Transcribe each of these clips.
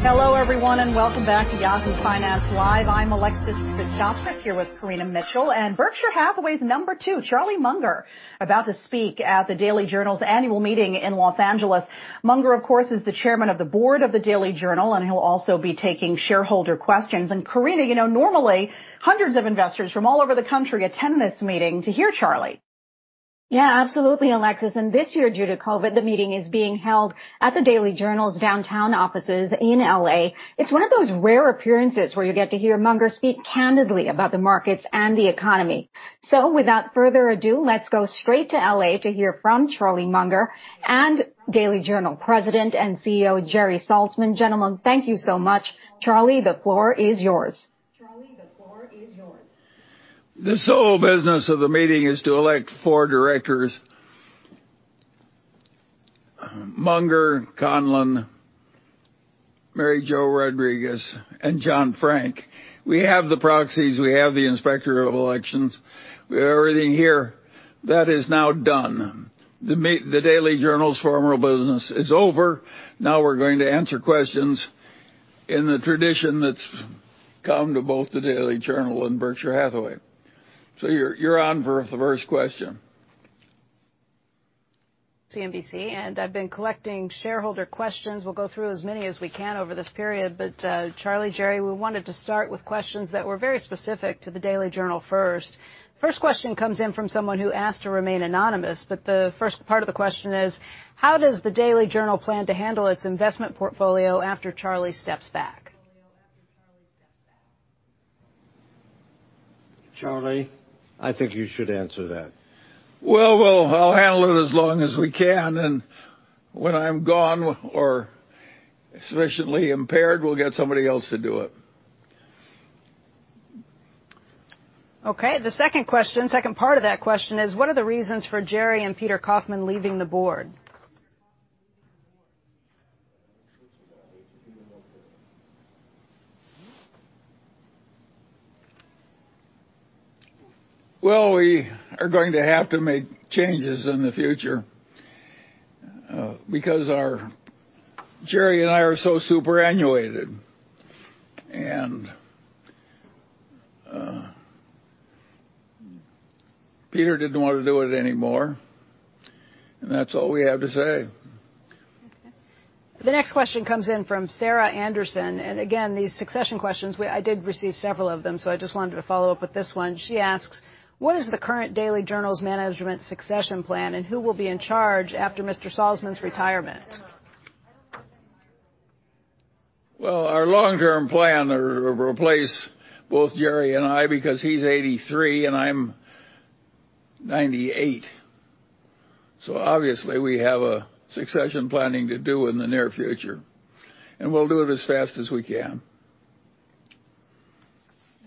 Hello, everyone, and welcome back to Yahoo Finance Live. I'm Alexis Christoforous, here with Karina Mitchell. Berkshire Hathaway's number two, Charlie Munger, about to speak at the Daily Journal's annual meeting in Los Angeles. Munger, of course, is the chairman of the board of the Daily Journal, and he'll also be taking shareholder questions. Karina, you know, normally, hundreds of investors from all over the country attend this meeting to hear Charlie. Yeah, absolutely, Alexis. This year, due to COVID, the meeting is being held at the Daily Journal's downtown offices in L.A. It's one of those rare appearances where you get to hear Munger speak candidly about the markets and the economy. Without further ado, let's go straight to L.A. to hear from Charlie Munger and Daily Journal President and CEO, Gerald Salzman. Gentlemen, thank you so much. Charlie, the floor is yours. Charlie, the floor is yours. The sole business of the meeting is to elect four directors. Munger, Conlin, Mary Jo Rodriguez, and John Frank. We have the proxies. We have the inspector of elections. We have everything here. That is now done. The Daily Journal's formal business is over. Now we're going to answer questions in the tradition that's common to both the Daily Journal and Berkshire Hathaway. You're on for the first question. CNBC, and I've been collecting shareholder questions. We'll go through as many as we can over this period. Charlie, Jerry, we wanted to start with questions that were very specific to the Daily Journal first. First question comes in from someone who asked to remain anonymous, but the first part of the question is: how does the Daily Journal plan to handle its investment portfolio after Charlie steps back? Charlie, I think you should answer that. Well, I'll handle it as long as we can, and when I'm gone or sufficiently impaired, we'll get somebody else to do it. The second part of that question is, what are the reasons for Jerry and Peter Kaufman leaving the board? Well, we are going to have to make changes in the future because our Jerry and I are so superannuated. Peter didn't wanna do it anymore, and that's all we have to say. The next question comes in from Sarah Anderson. Again, these succession questions, I did receive several of them, so I just wanted to follow up with this one. She asks: what is the current Daily Journal's management succession plan, and who will be in charge after Mr. Salzman's retirement? Well, our long-term plan is to replace both Jerry and I because he's 83 and I'm 98. Obviously we have a succession planning to do in the near future, and we'll do it as fast as we can.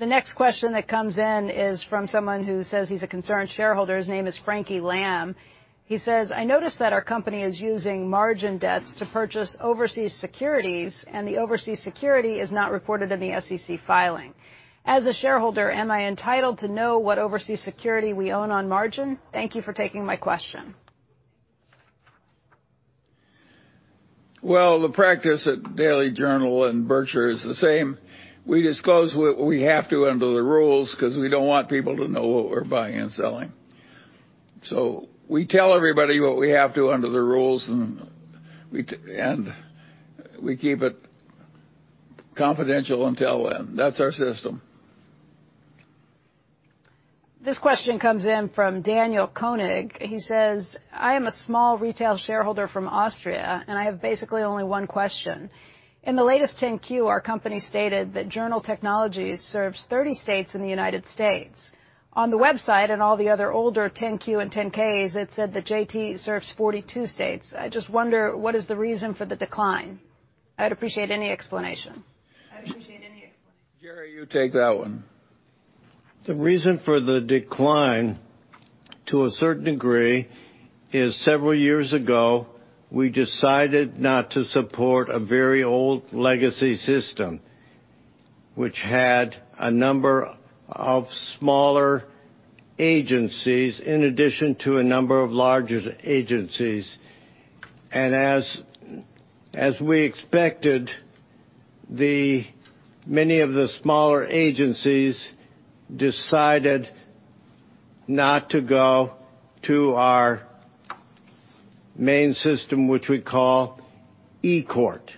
The next question that comes in is from someone who says he's a concerned shareholder. His name is Frankie Lam. He says, "I noticed that our company is using margin debts to purchase overseas securities, and the overseas security is not reported in the SEC filing. As a shareholder, am I entitled to know what overseas security we own on margin? Thank you for taking my question. Well, the practice at Daily Journal and Berkshire is the same. We disclose what we have to under the rules 'cause we don't want people to know what we're buying and selling. We tell everybody what we have to under the rules, and we keep it confidential until then. That's our system. This question comes in from Daniel Knig. He says, "I am a small retail shareholder from Austria, and I have basically only one question. In the latest 10-Q, our company stated that Journal Technologies serves 30 states in the United States. On the website and all the other older 10-Q and 10-Ks, it said that JT serves 42 states. I just wonder what is the reason for the decline. I'd appreciate any explanation." I'd appreciate any explanation. Jerry, you take that one. The reason for the decline, to a certain degree, is several years ago, we decided not to support a very old legacy system which had a number of smaller agencies in addition to a number of larger agencies. As we expected, many of the smaller agencies decided not to go to our main system, which we call eCourt,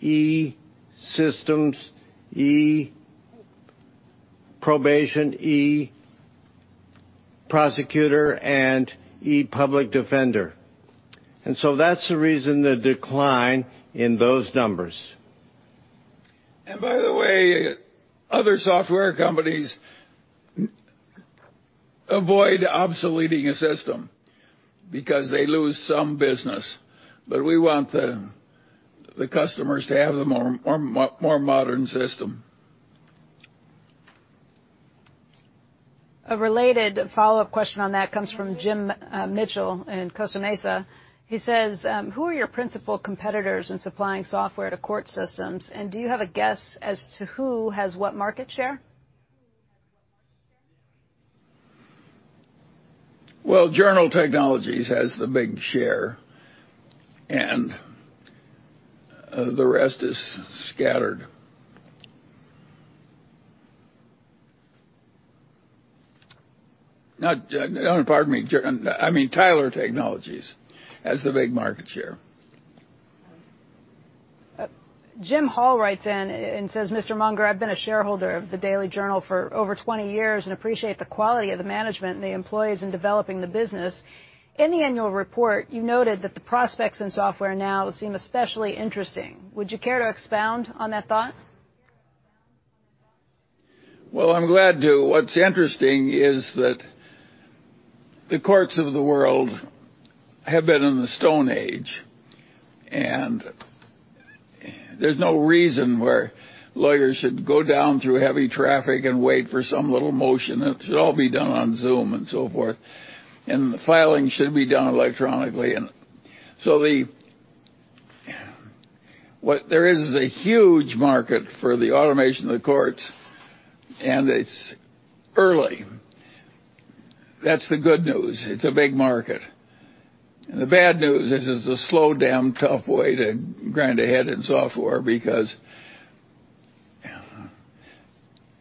e-Systems, eProbation, eProsecutor, and eDefender. That's the reason, the decline in those numbers. By the way, other software companies avoid obsoleting a system because they lose some business. We want the customers to have the more modern system. A related follow-up question on that comes from Jim Mitchell in Costa Mesa. He says, "Who are your principal competitors in supplying software to court systems, and do you have a guess as to who has what market share? Well, Journal Technologies has the big share, and the rest is scattered. Now, I mean Tyler Technologies has the big market share. Jim Hall writes in and says, "Mr. Munger, I've been a shareholder of the Daily Journal for over 20 years and appreciate the quality of the management and the employees in developing the business. In the annual report, you noted that the prospects in software now seem especially interesting. Would you care to expound on that thought? Well, I'm glad to. What's interesting is that the courts of the world have been in the Stone Age, and there's no reason why lawyers should go down through heavy traffic and wait for some little motion. It should all be done on Zoom and so forth. The filing should be done electronically. So, what there is is a huge market for the automation of the courts, and it's early. That's the good news. It's a big market. The bad news is it's a slow, damn tough way to grind ahead in software because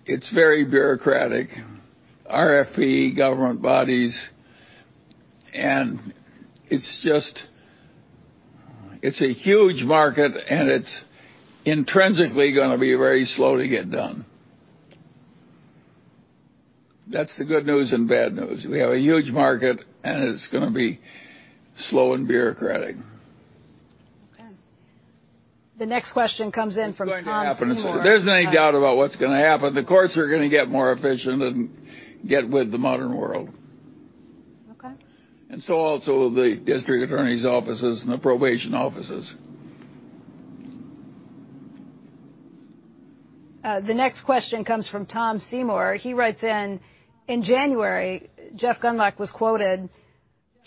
it's very bureaucratic. RFP, government bodies, and it's just a huge market, and it's intrinsically gonna be very slow to get done. That's the good news and bad news. We have a huge market, and it's gonna be slow and bureaucratic. Okay. The next question comes in from Tom Seymour. It's going to happen. There's no doubt about what's gonna happen. The courts are gonna get more efficient and get with the modern world. Also the district attorneys' offices and the probation offices. The next question comes from Tom Seymour. He writes in, "In January, Jeff Gundlach was quoted,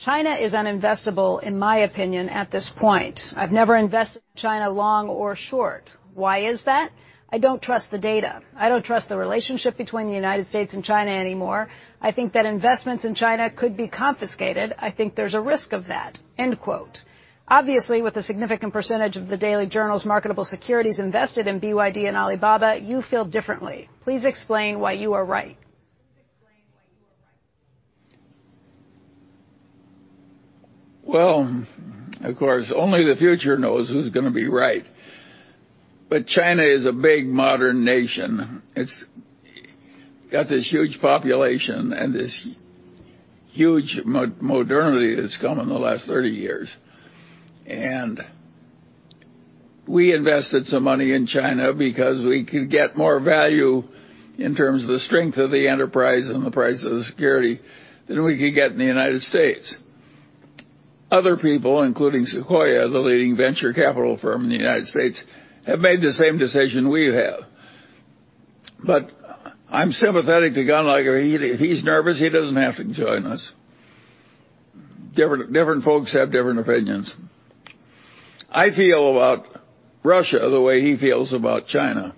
'China is uninvestable, in my opinion, at this point. I've never invested in China long or short.' Why is that? 'I don't trust the data. I don't trust the relationship between the United States and China anymore. I think that investments in China could be confiscated. I think there's a risk of that.' End quote. Obviously, with a significant percentage of the Daily Journal's marketable securities invested in BYD and Alibaba, you feel differently. Please explain why you are right. Well, of course, only the future knows who's gonna be right. China is a big, modern nation. It's got this huge population and this huge modernity that's come in the last 30 years. We invested some money in China because we could get more value in terms of the strength of the enterprise and the price of the security than we could get in the United States. Other people, including Sequoia, the leading venture capital firm in the United States, have made the same decision we have. I'm sympathetic to Gundlach. If he's nervous, he doesn't have to join us. Different folks have different opinions. I feel about Russia the way he feels about China.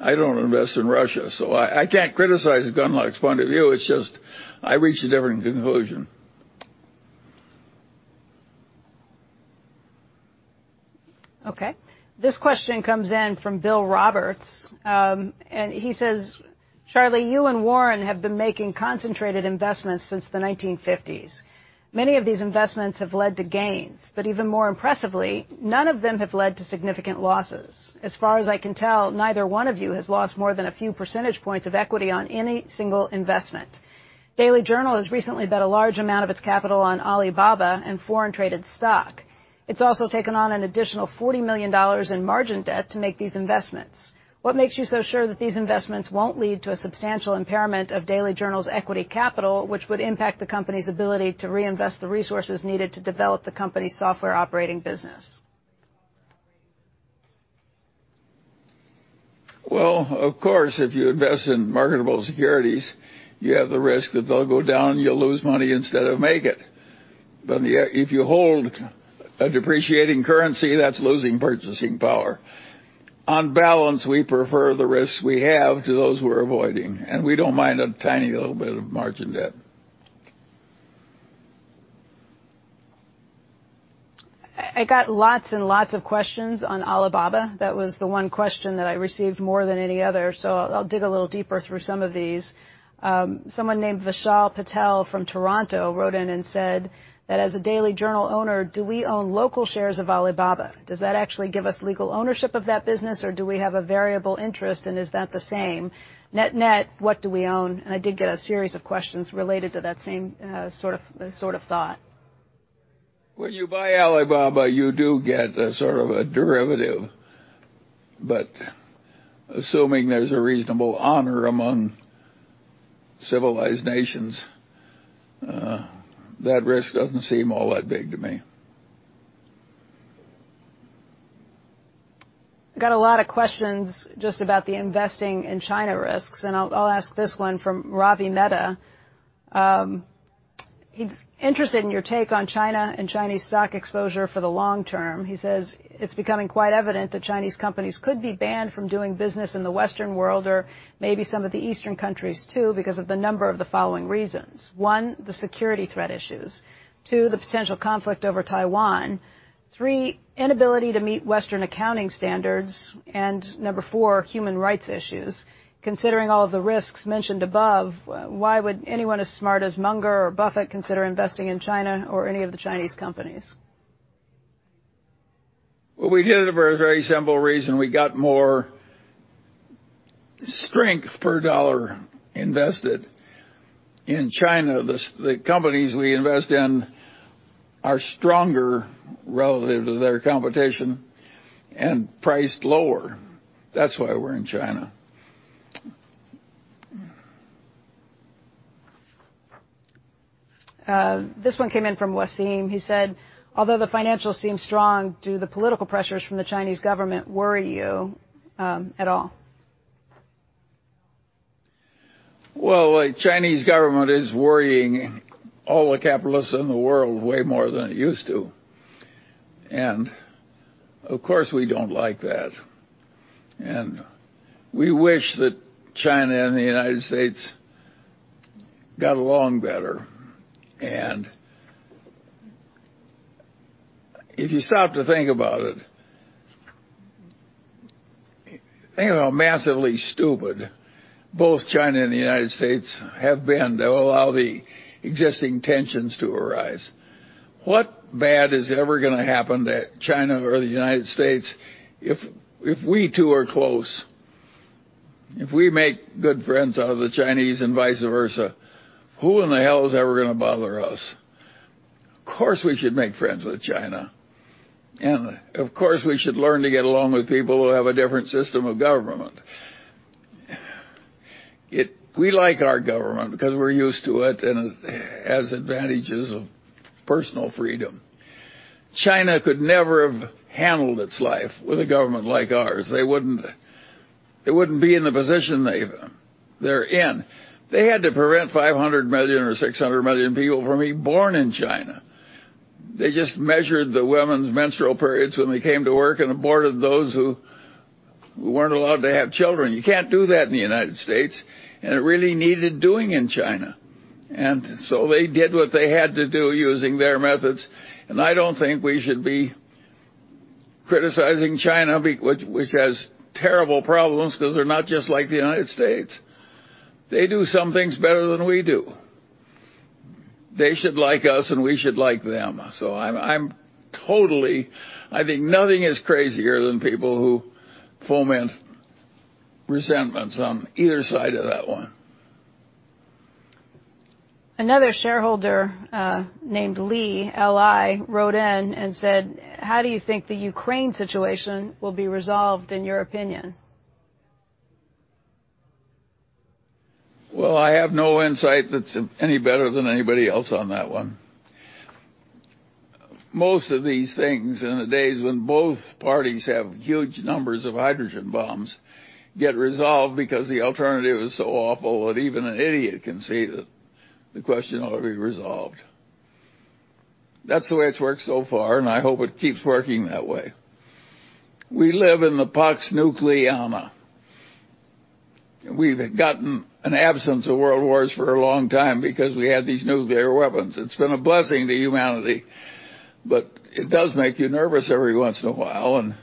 I don't invest in Russia, so I can't criticize Gundlach's point of view. It's just I reach a different conclusion. Okay. This question comes in from Bill Roberts. He says, "Charlie, you and Warren have been making concentrated investments since the 1950s. Many of these investments have led to gains, but even more impressively, none of them have led to significant losses. As far as I can tell, neither one of you has lost more than a few percentage points of equity on any single investment. Daily Journal has recently bet a large amount of its capital on Alibaba and foreign-traded stock. It's also taken on an additional $40 million in margin debt to make these investments. What makes you so sure that these investments won't lead to a substantial impairment of Daily Journal's equity capital, which would impact the company's ability to reinvest the resources needed to develop the company's software operating business? Well, of course, if you invest in marketable securities, you have the risk that they'll go down, you'll lose money instead of make it. If you hold a depreciating currency, that's losing purchasing power. On balance, we prefer the risks we have to those we're avoiding, and we don't mind a tiny little bit of margin debt. I got lots and lots of questions on Alibaba. That was the one question that I received more than any other, so I'll dig a little deeper through some of these. Someone named Vishal Patel from Toronto wrote in and said that, "As a Daily Journal owner, do we own local shares of Alibaba? Does that actually give us legal ownership of that business, or do we have a variable interest, and is that the same? Net-net, what do we own?" I did get a series of questions related to that same sort of thought. When you buy Alibaba, you do get a sort of a derivative. Assuming there's a reasonable honor among civilized nations, that risk doesn't seem all that big to me. Got a lot of questions just about the investing in China risks, and I'll ask this one from Ravi Mehta. He's interested in your take on China and Chinese stock exposure for the long term. He says it's becoming quite evident that Chinese companies could be banned from doing business in the Western world or maybe some of the Eastern countries too, because of the number of the following reasons. One, the security threat issues. Two, the potential conflict over Taiwan. Three, inability to meet Western accounting standards. And number four, human rights issues. Considering all of the risks mentioned above, why would anyone as smart as Munger or Buffett consider investing in China or any of the Chinese companies? Well, we did it for a very simple reason. We got more strength per dollar invested. In China, the companies we invest in are stronger relative to their competition and priced lower. That's why we're in China. This one came in from Waseem. He said, "Although the financials seem strong, do the political pressures from the Chinese government worry you, at all? Well, the Chinese government is worrying all the capitalists in the world way more than it used to, and of course, we don't like that. We wish that China and the United States got along better. If you stop to think about it, think about massively stupid both China and the United States have been to allow the existing tensions to arise. What bad is ever gonna happen to China or the United States if we two are close, if we make good friends out of the Chinese and vice versa, who in the hell is ever gonna bother us? Of course, we should make friends with China, and of course, we should learn to get along with people who have a different system of government. It. We like our government because we're used to it, and it has advantages of personal freedom. China could never have handled its life with a government like ours. They wouldn't be in the position they're in. They had to prevent 500 million or 600 million people from being born in China. They just measured the women's menstrual periods when they came to work and aborted those who weren't allowed to have children. You can't do that in the United States, and it really needed doing in China. They did what they had to do using their methods. I don't think we should be criticizing China which has terrible problems because they're not just like the United States. They do some things better than we do. They should like us, and we should like them. I'm totally. I think nothing is crazier than people who foment resentments on either side of that one. Another shareholder named Li, L-I, wrote in and said, "How do you think the Ukraine situation will be resolved, in your opinion? Well, I have no insight that's any better than anybody else on that one. Most of these things, in the days when both parties have huge numbers of hydrogen bombs, get resolved because the alternative is so awful that even an idiot can see that the question ought to be resolved. That's the way it's worked so far, and I hope it keeps working that way. We live in the Pax Atomica. We've gotten an absence of world wars for a long time because we have these nuclear weapons. It's been a blessing to humanity, but it does make you nervous every once in a while, and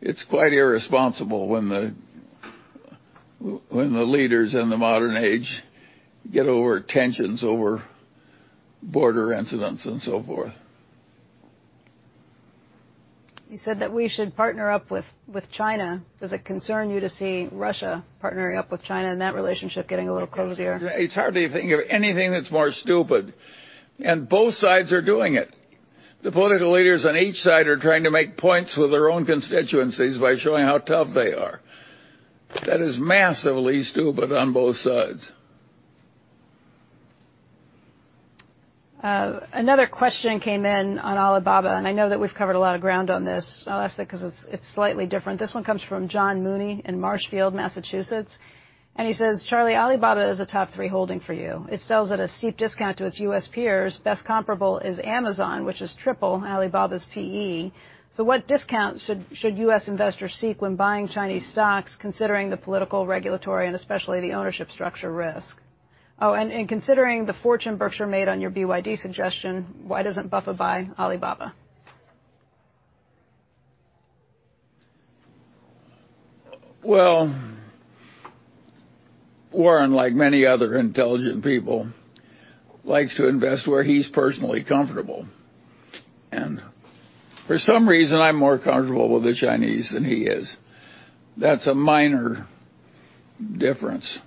it's quite irresponsible when the leaders in the modern age get over tensions over border incidents and so forth. You said that we should partner up with China. Does it concern you to see Russia partnering up with China and that relationship getting a little cozier? It's hard to think of anything that's more stupid, and both sides are doing it. The political leaders on each side are trying to make points with their own constituencies by showing how tough they are. That is massively stupid on both sides. Another question came in on Alibaba, and I know that we've covered a lot of ground on this. I'll ask it because it's slightly different. This one comes from John Mooney in Marshfield, Massachusetts. He says, "Charlie, Alibaba is a top three holding for you. It sells at a steep discount to its U.S. peers. Best comparable is Amazon, which is triple Alibaba's PE. So what discount should U.S. investors seek when buying Chinese stocks, considering the political, regulatory, and especially the ownership structure risk? Oh, and considering the fortune Berkshire made on your BYD suggestion, why doesn't Buffett buy Alibaba? Well, Warren, like many other intelligent people, likes to invest where he's personally comfortable. For some reason, I'm more comfortable with the Chinese than he is. That's a minor difference.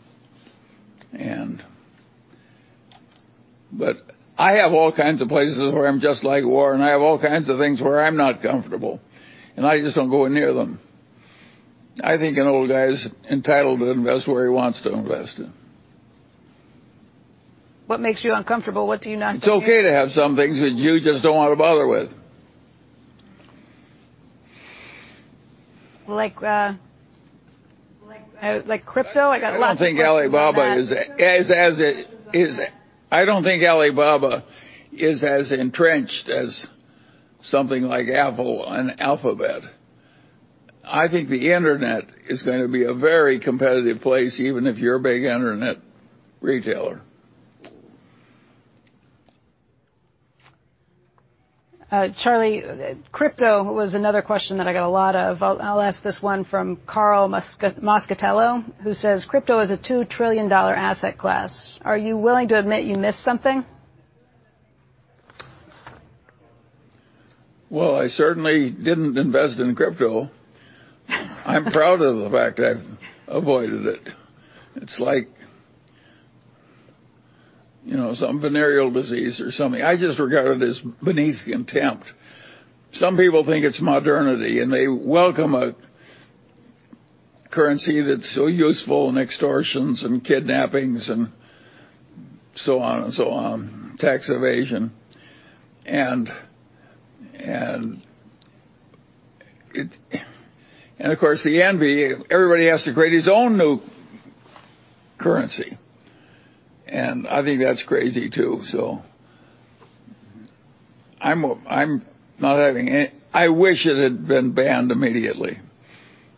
I have all kinds of places where I'm just like Warren. I have all kinds of things where I'm not comfortable, and I just don't go near them. I think an old guy is entitled to invest where he wants to invest in. What makes you uncomfortable? What do you not do? It's okay to have some things that you just don't wanna bother with. Like crypto. I got lots of questions on that. I don't think Alibaba is as entrenched as something like Apple and Alphabet. I think the internet is gonna be a very competitive place, even if you're a big internet retailer. Charlie, crypto was another question that I got a lot of. I'll ask this one from Carl Moscatello, who says, "Crypto is a $2 trillion asset class. Are you willing to admit you missed something? Well, I certainly didn't invest in crypto. I'm proud of the fact I've avoided it. It's like, you know, some venereal disease or something. I just regard it as beneath contempt. Some people think it's modernity, and they welcome a currency that's so useful in extortions and kidnappings and so on and so on, tax evasion. Of course, the envy, everybody has to create his own new currency, and I think that's crazy too, so. I'm not having it. I wish it had been banned immediately,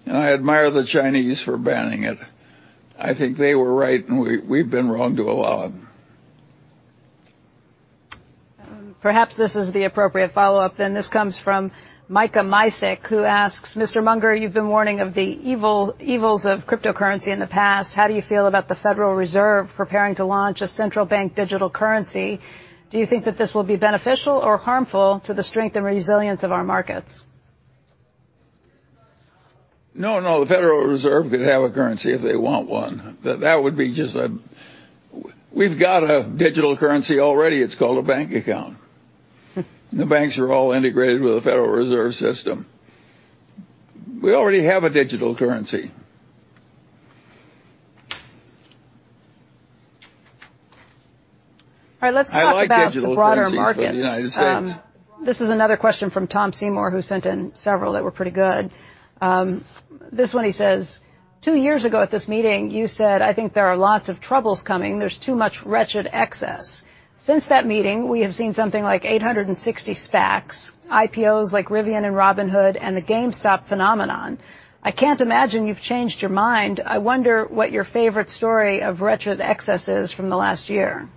and I admire the Chinese for banning it. I think they were right, and we've been wrong to allow them. Perhaps this is the appropriate follow-up then. This comes from Micah Mysak, who asks, "Mr. Munger, you've been warning of the evils of cryptocurrency in the past. How do you feel about the Federal Reserve preparing to launch a central bank digital currency? Do you think that this will be beneficial or harmful to the strength and resilience of our markets? No, no, the Federal Reserve could have a currency if they want one. That would be just. We've got a digital currency already. It's called a bank account. The banks are all integrated with the Federal Reserve System. We already have a digital currency. All right, let's talk about. I like digital currencies for the United States. the broader markets. This is another question from Tom Seymour, who sent in several that were pretty good. This one, he says, "Two years ago at this meeting, you said, 'I think there are lots of troubles coming. There's too much wretched excess.' Since that meeting, we have seen something like 860 SPACs, IPOs like Rivian and Robinhood, and the GameStop phenomenon. I can't imagine you've changed your mind. I wonder what your favorite story of wretched excess is from the last year.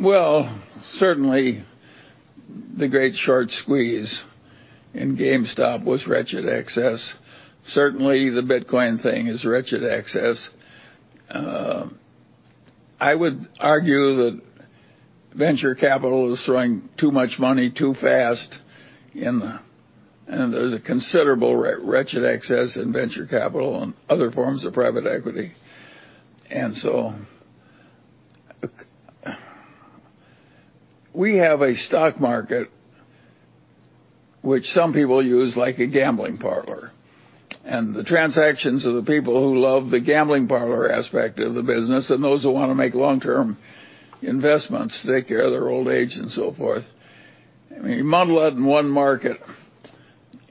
Well, certainly the great short squeeze in GameStop was wretched excess. Certainly, the Bitcoin thing is wretched excess. I would argue that venture capital is throwing too much money too fast and there's a considerable wretched excess in venture capital and other forms of private equity. We have a stock market which some people use like a gambling parlor. The transactions of the people who love the gambling parlor aspect of the business and those who wanna make long-term investments to take care of their old age and so forth. I mean, you muddle it in one market,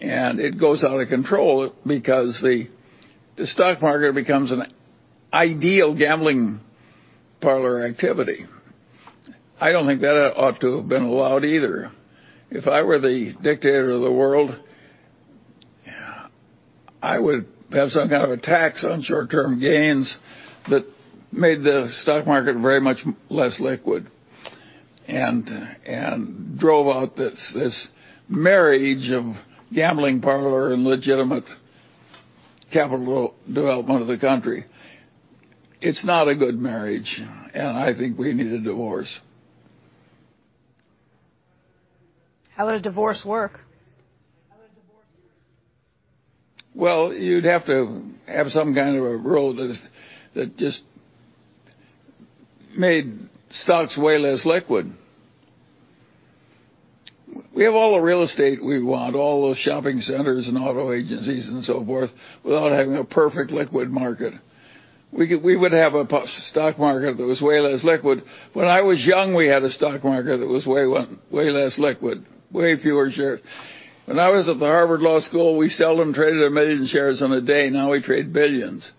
and it goes out of control because the stock market becomes an ideal gambling parlor activity. I don't think that ought to have been allowed either. If I were the dictator of the world, I would have some kind of a tax on short-term gains that made the stock market very much less liquid and drove out this marriage of gambling parlor and legitimate capital de-development of the country. It's not a good marriage, and I think we need a divorce. How would a divorce work? Well, you'd have to have some kind of a rule that just made stocks way less liquid. We have all the real estate we want, all those shopping centers and auto agencies and so forth, without having a perfect liquid market. We would have a stock market that was way less liquid. When I was young, we had a stock market that was way less liquid, way fewer shares. When I was at the Harvard Law School, we seldom traded 1 million shares in a day. Now we trade billions.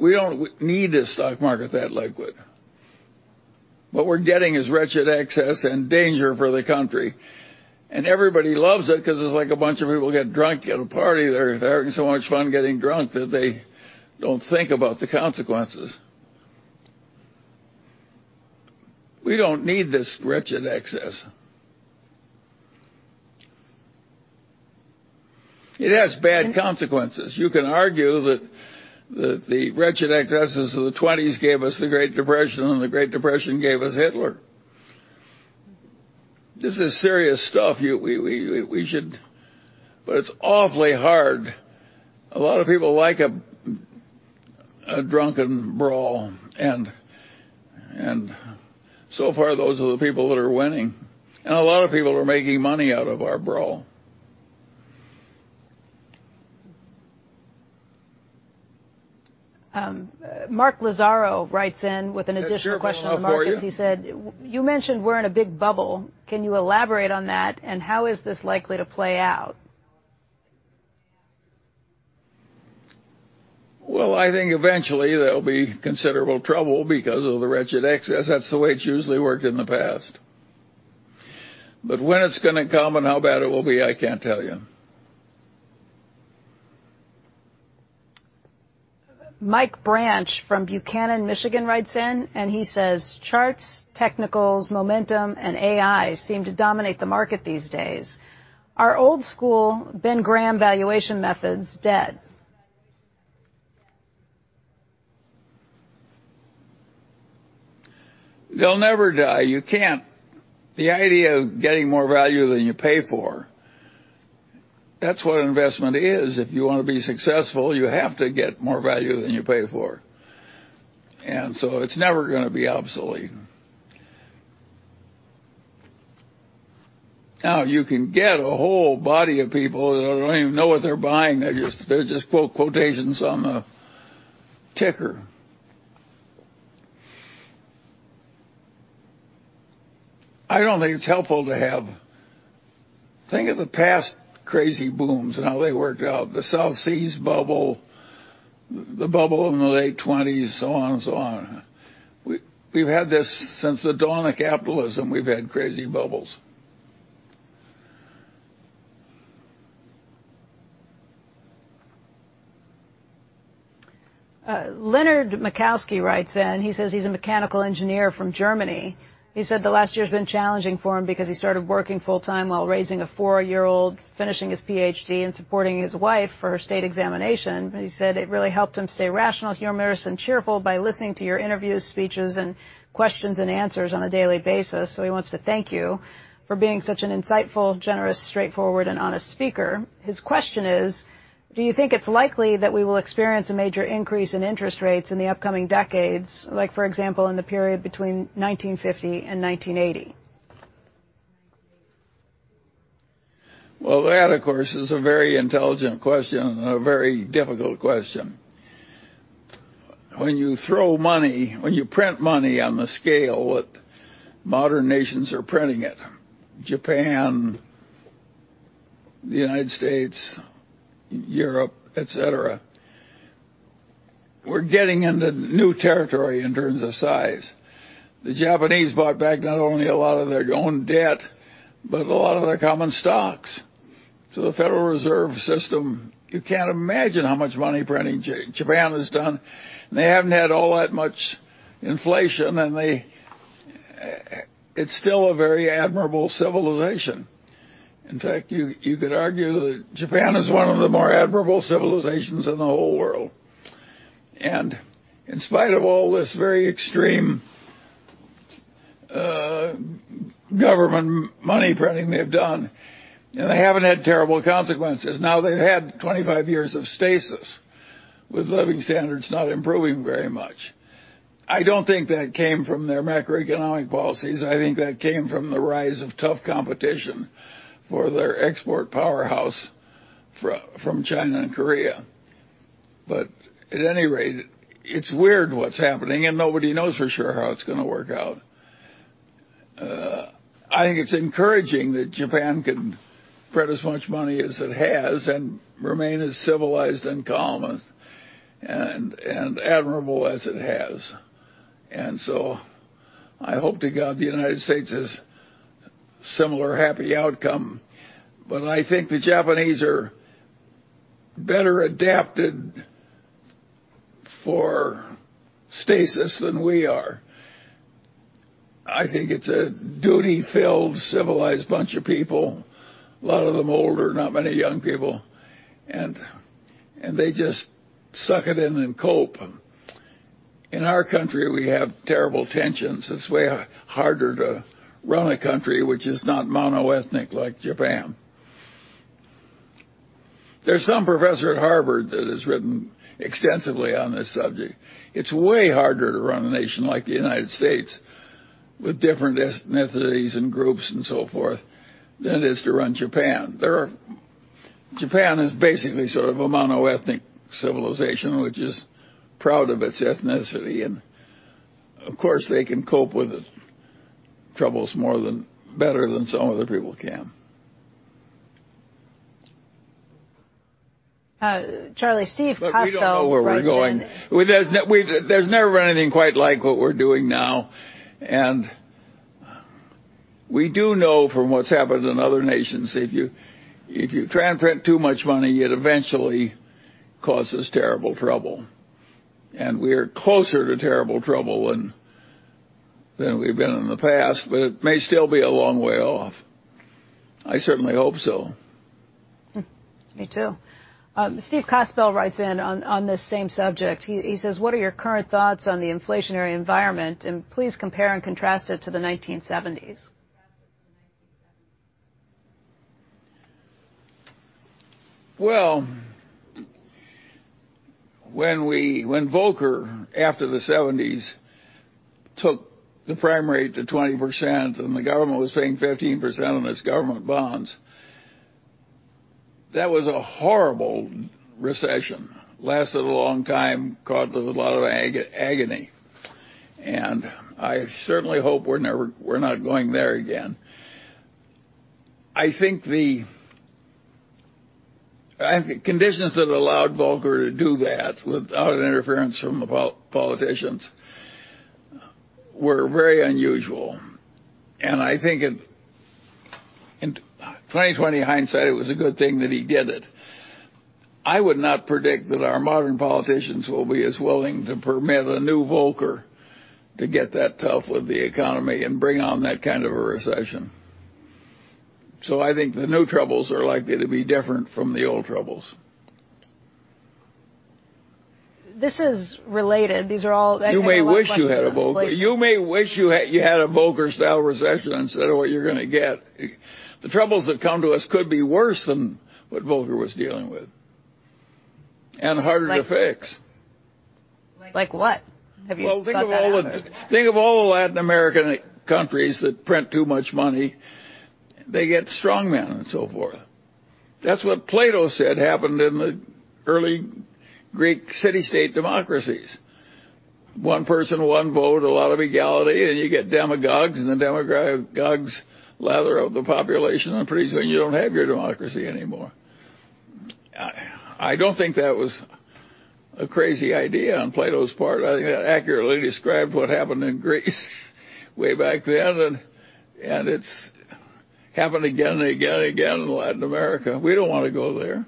We don't need a stock market that liquid. What we're getting is wretched excess and danger for the country. Everybody loves it 'cause it's like a bunch of people get drunk at a party. They're having so much fun getting drunk that they don't think about the consequences. We don't need this wretched excess. It has bad consequences. You can argue that the wretched excesses of the twenties gave us the Great Depression, and the Great Depression gave us Hitler. This is serious stuff. We should. It's awfully hard. A lot of people like a drunken brawl. So far, those are the people that are winning. A lot of people are making money out of our brawl. Mark Lazzaro writes in with an additional question from Marcus. He said, "You mentioned we're in a big bubble. Can you elaborate on that? And how is this likely to play out? Well, I think eventually there'll be considerable trouble because of the wretched excess. That's the way it's usually worked in the past. When it's gonna come and how bad it will be, I can't tell you. Mike Branch from Buchanan, Michigan, writes in and he says, "Charts, technicals, momentum, and AI seem to dominate the market these days. Are old-school Benjamin Graham valuation methods dead? They'll never die. You can't. The idea of getting more value than you pay for, that's what investment is. If you wanna be successful, you have to get more value than you pay for. It's never gonna be obsolete. Now, you can get a whole body of people that don't even know what they're buying. They just quote quotations on the ticker. I don't think it's helpful to have. Think of the past crazy booms and how they worked out, the South Sea Bubble, the bubble in the late twenties, so on and so on. We've had this since the dawn of capitalism, we've had crazy bubbles. Leonard Makowski writes in. He says he's a mechanical engineer from Germany. He said the last year has been challenging for him because he started working full-time while raising a four-year-old, finishing his PhD, and supporting his wife for her state examination. He said it really helped him stay rational, humorous, and cheerful by listening to your interviews, speeches, and questions and answers on a daily basis. He wants to thank you for being such an insightful, generous, straightforward, and honest speaker. His question is, do you think it's likely that we will experience a major increase in interest rates in the upcoming decades, like for example, in the period between 1950 and 1980? Well, that of course is a very intelligent question and a very difficult question. When you print money on the scale what modern nations are printing it, Japan, the United States, Europe, et cetera, we're getting into new territory in terms of size. The Japanese bought back not only a lot of their own debt, but a lot of their common stocks. So the Federal Reserve System, you can't imagine how much money printing Japan has done. They haven't had all that much inflation and they, it's still a very admirable civilization. In fact, you could argue that Japan is one of the more admirable civilizations in the whole world. In spite of all this very extreme government money printing they've done, they haven't had terrible consequences. Now, they've had 25 years of stasis with living standards not improving very much. I don't think that came from their macroeconomic policies. I think that came from the rise of tough competition for their export powerhouse from China and Korea. At any rate, it's weird what's happening, and nobody knows for sure how it's gonna work out. I think it's encouraging that Japan can print as much money as it has and remain as civilized and calm as admirable as it has. I hope to God, the United States has similar happy outcome. I think the Japanese are better adapted for stasis than we are. I think it's a duty-filled, civilized bunch of people. A lot of them older, not many young people, and they just suck it in and cope. In our country, we have terrible tensions. It's way harder to run a country which is not mono-ethnic like Japan. There's some professor at Harvard that has written extensively on this subject. It's way harder to run a nation like the United States with different ethnicities and groups and so forth than it is to run Japan. Japan is basically sort of a mono-ethnic civilization, which is proud of its ethnicity. Of course, they can cope with troubles better than some other people can. Charlie, Steve Kospel writes in- Look, we don't know where we're going. There's never been anything quite like what we're doing now. We do know from what's happened in other nations, if you try and print too much money, it eventually causes terrible trouble. We are closer to terrible trouble than we've been in the past, but it may still be a long way off. I certainly hope so. Me too. Steve Kospel writes in on this same subject. He says, "What are your current thoughts on the inflationary environment? And please compare and contrast it to the 1970s. When Volcker, after the 1970s, took the prime to 20% and the government was paying 15% on its government bonds, that was a horrible recession that lasted a long time and caused a lot of agony. I certainly hope we're not going there again. I think conditions that allowed Volcker to do that without any interference from the politicians were very unusual. I think in 20/20 hindsight, it was a good thing that he did it. I would not predict that our modern politicians will be as willing to permit a new Volcker to get that tough with the economy and bring on that kind of a recession. I think the new troubles are likely to be different from the old troubles. This is related. These are all- You may wish you had a Volcker. You may wish you had a Volcker-style recession instead of what you're gonna get. The troubles that come to us could be worse than what Volcker was dealing with, and harder to fix. Like what? Have you thought that out? Well, think of all the Latin American countries that print too much money. They get strong men and so forth. That's what Plato said happened in the early Greek city-state democracies. One person, one vote, a lot of legality, and you get demagogues, and the demagogues lather up the population, and pretty soon you don't have your democracy anymore. I don't think that was a crazy idea on Plato's part. I think that accurately describes what happened in Greece way back then, and it's happened again and again and again in Latin America. We don't wanna go there.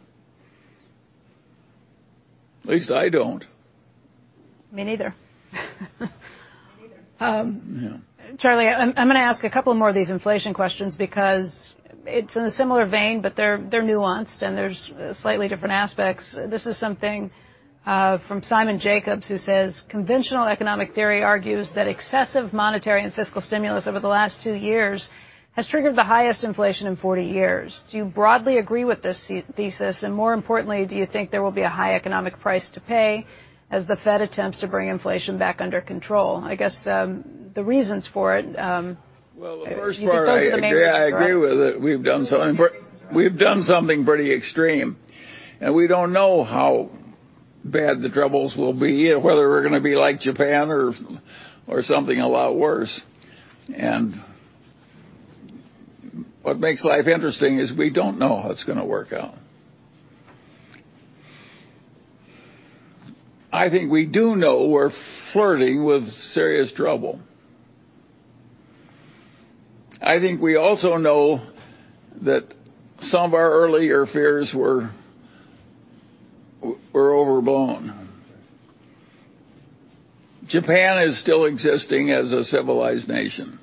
At least I don't. Me neither. Me neither. Um- Yeah. Charlie, I'm gonna ask a couple more of these inflation questions because it's in a similar vein, but they're nuanced, and there's slightly different aspects. This is something from Simon Jacobs, who says, "Conventional economic theory argues that excessive monetary and fiscal stimulus over the last two years has triggered the highest inflation in 40 years. Do you broadly agree with this thesis, and more importantly, do you think there will be a high economic price to pay as the Fed attempts to bring inflation back under control?" I guess the reasons for it. Well, the first part. Do you think those are the main reasons for it? Yeah, I agree with it. We've done something pretty extreme, and we don't know how bad the troubles will be and whether we're gonna be like Japan or something a lot worse. What makes life interesting is we don't know how it's gonna work out. I think we do know we're flirting with serious trouble. I think we also know that some of our earlier fears were overblown. Japan is still existing as a civilized nation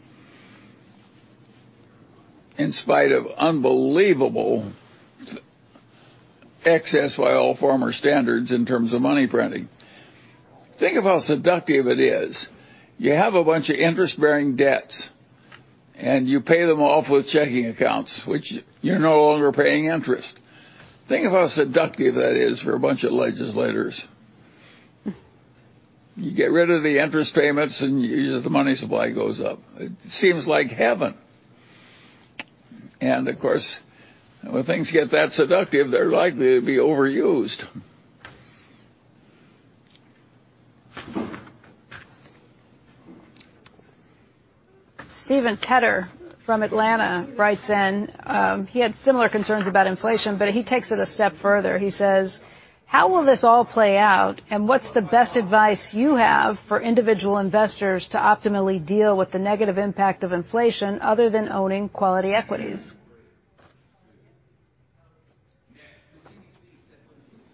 in spite of unbelievable excess by all former standards in terms of money printing. Think of how seductive it is. You have a bunch of interest-bearing debts, and you pay them off with checking accounts, which you're no longer paying interest. Think of how seductive that is for a bunch of legislators. You get rid of the interest payments, and the money supply goes up. It seems like heaven. Of course, when things get that seductive, they're likely to be overused. Steven Tedder from Atlanta writes in, he had similar concerns about inflation, but he takes it a step further. He says, "How will this all play out, and what's the best advice you have for individual investors to optimally deal with the negative impact of inflation other than owning quality equities?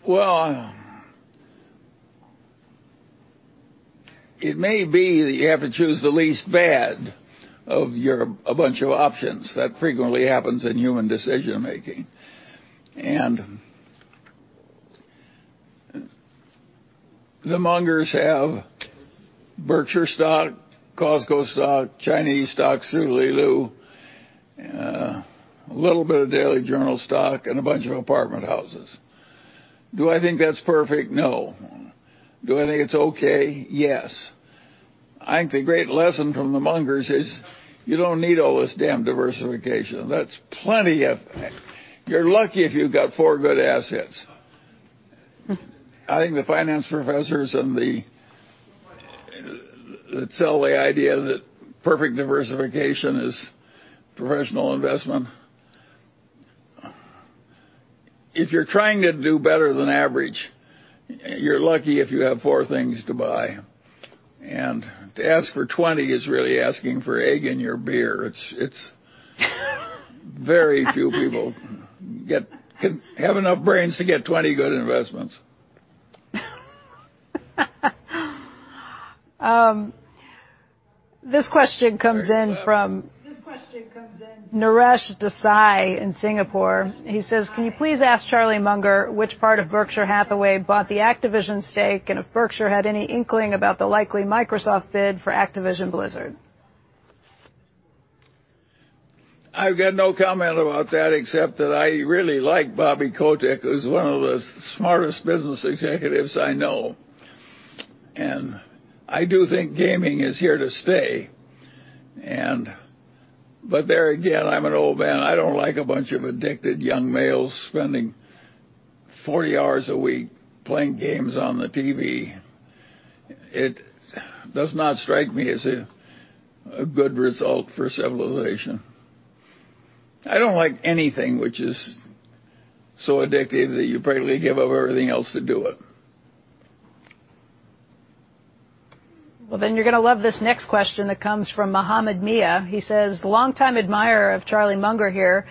Well, it may be that you have to choose the least bad of a bunch of options. That frequently happens in human decision-making. The Mungers have Berkshire stock, Costco stock, Chinese stock, Li Lu, a little bit of Daily Journal stock, and a bunch of apartment houses. Do I think that's perfect? No. Do I think it's okay? Yes. I think the great lesson from the Mungers is you don't need all this damn diversification. That's plenty of. You're lucky if you've got four good assets. I think the finance professors and those that sell the idea that perfect diversification is professional investment. If you're trying to do better than average, you're lucky if you have four things to buy. To ask for 20 is really asking for egg in your beer. It's. Very few people can have enough brains to get 20 good investments. This question comes in from Naresh Desai in Singapore. He says, "Can you please ask Charlie Munger which part of Berkshire Hathaway bought the Activision stake, and if Berkshire had any inkling about the likely Microsoft bid for Activision Blizzard? I've got no comment about that except that I really like Bobby Kotick, who's one of the smartest business executives I know. I do think gaming is here to stay. But there again, I'm an old man. I don't like a bunch of addicted young males spending 40 hours a week playing games on the TV. It does not strike me as a good result for civilization. I don't like anything which is so addictive that you practically give up everything else to do it. Well, then you're gonna love this next question that comes from Muhammad Mia. He says, "Longtime admirer of Charlie Munger here.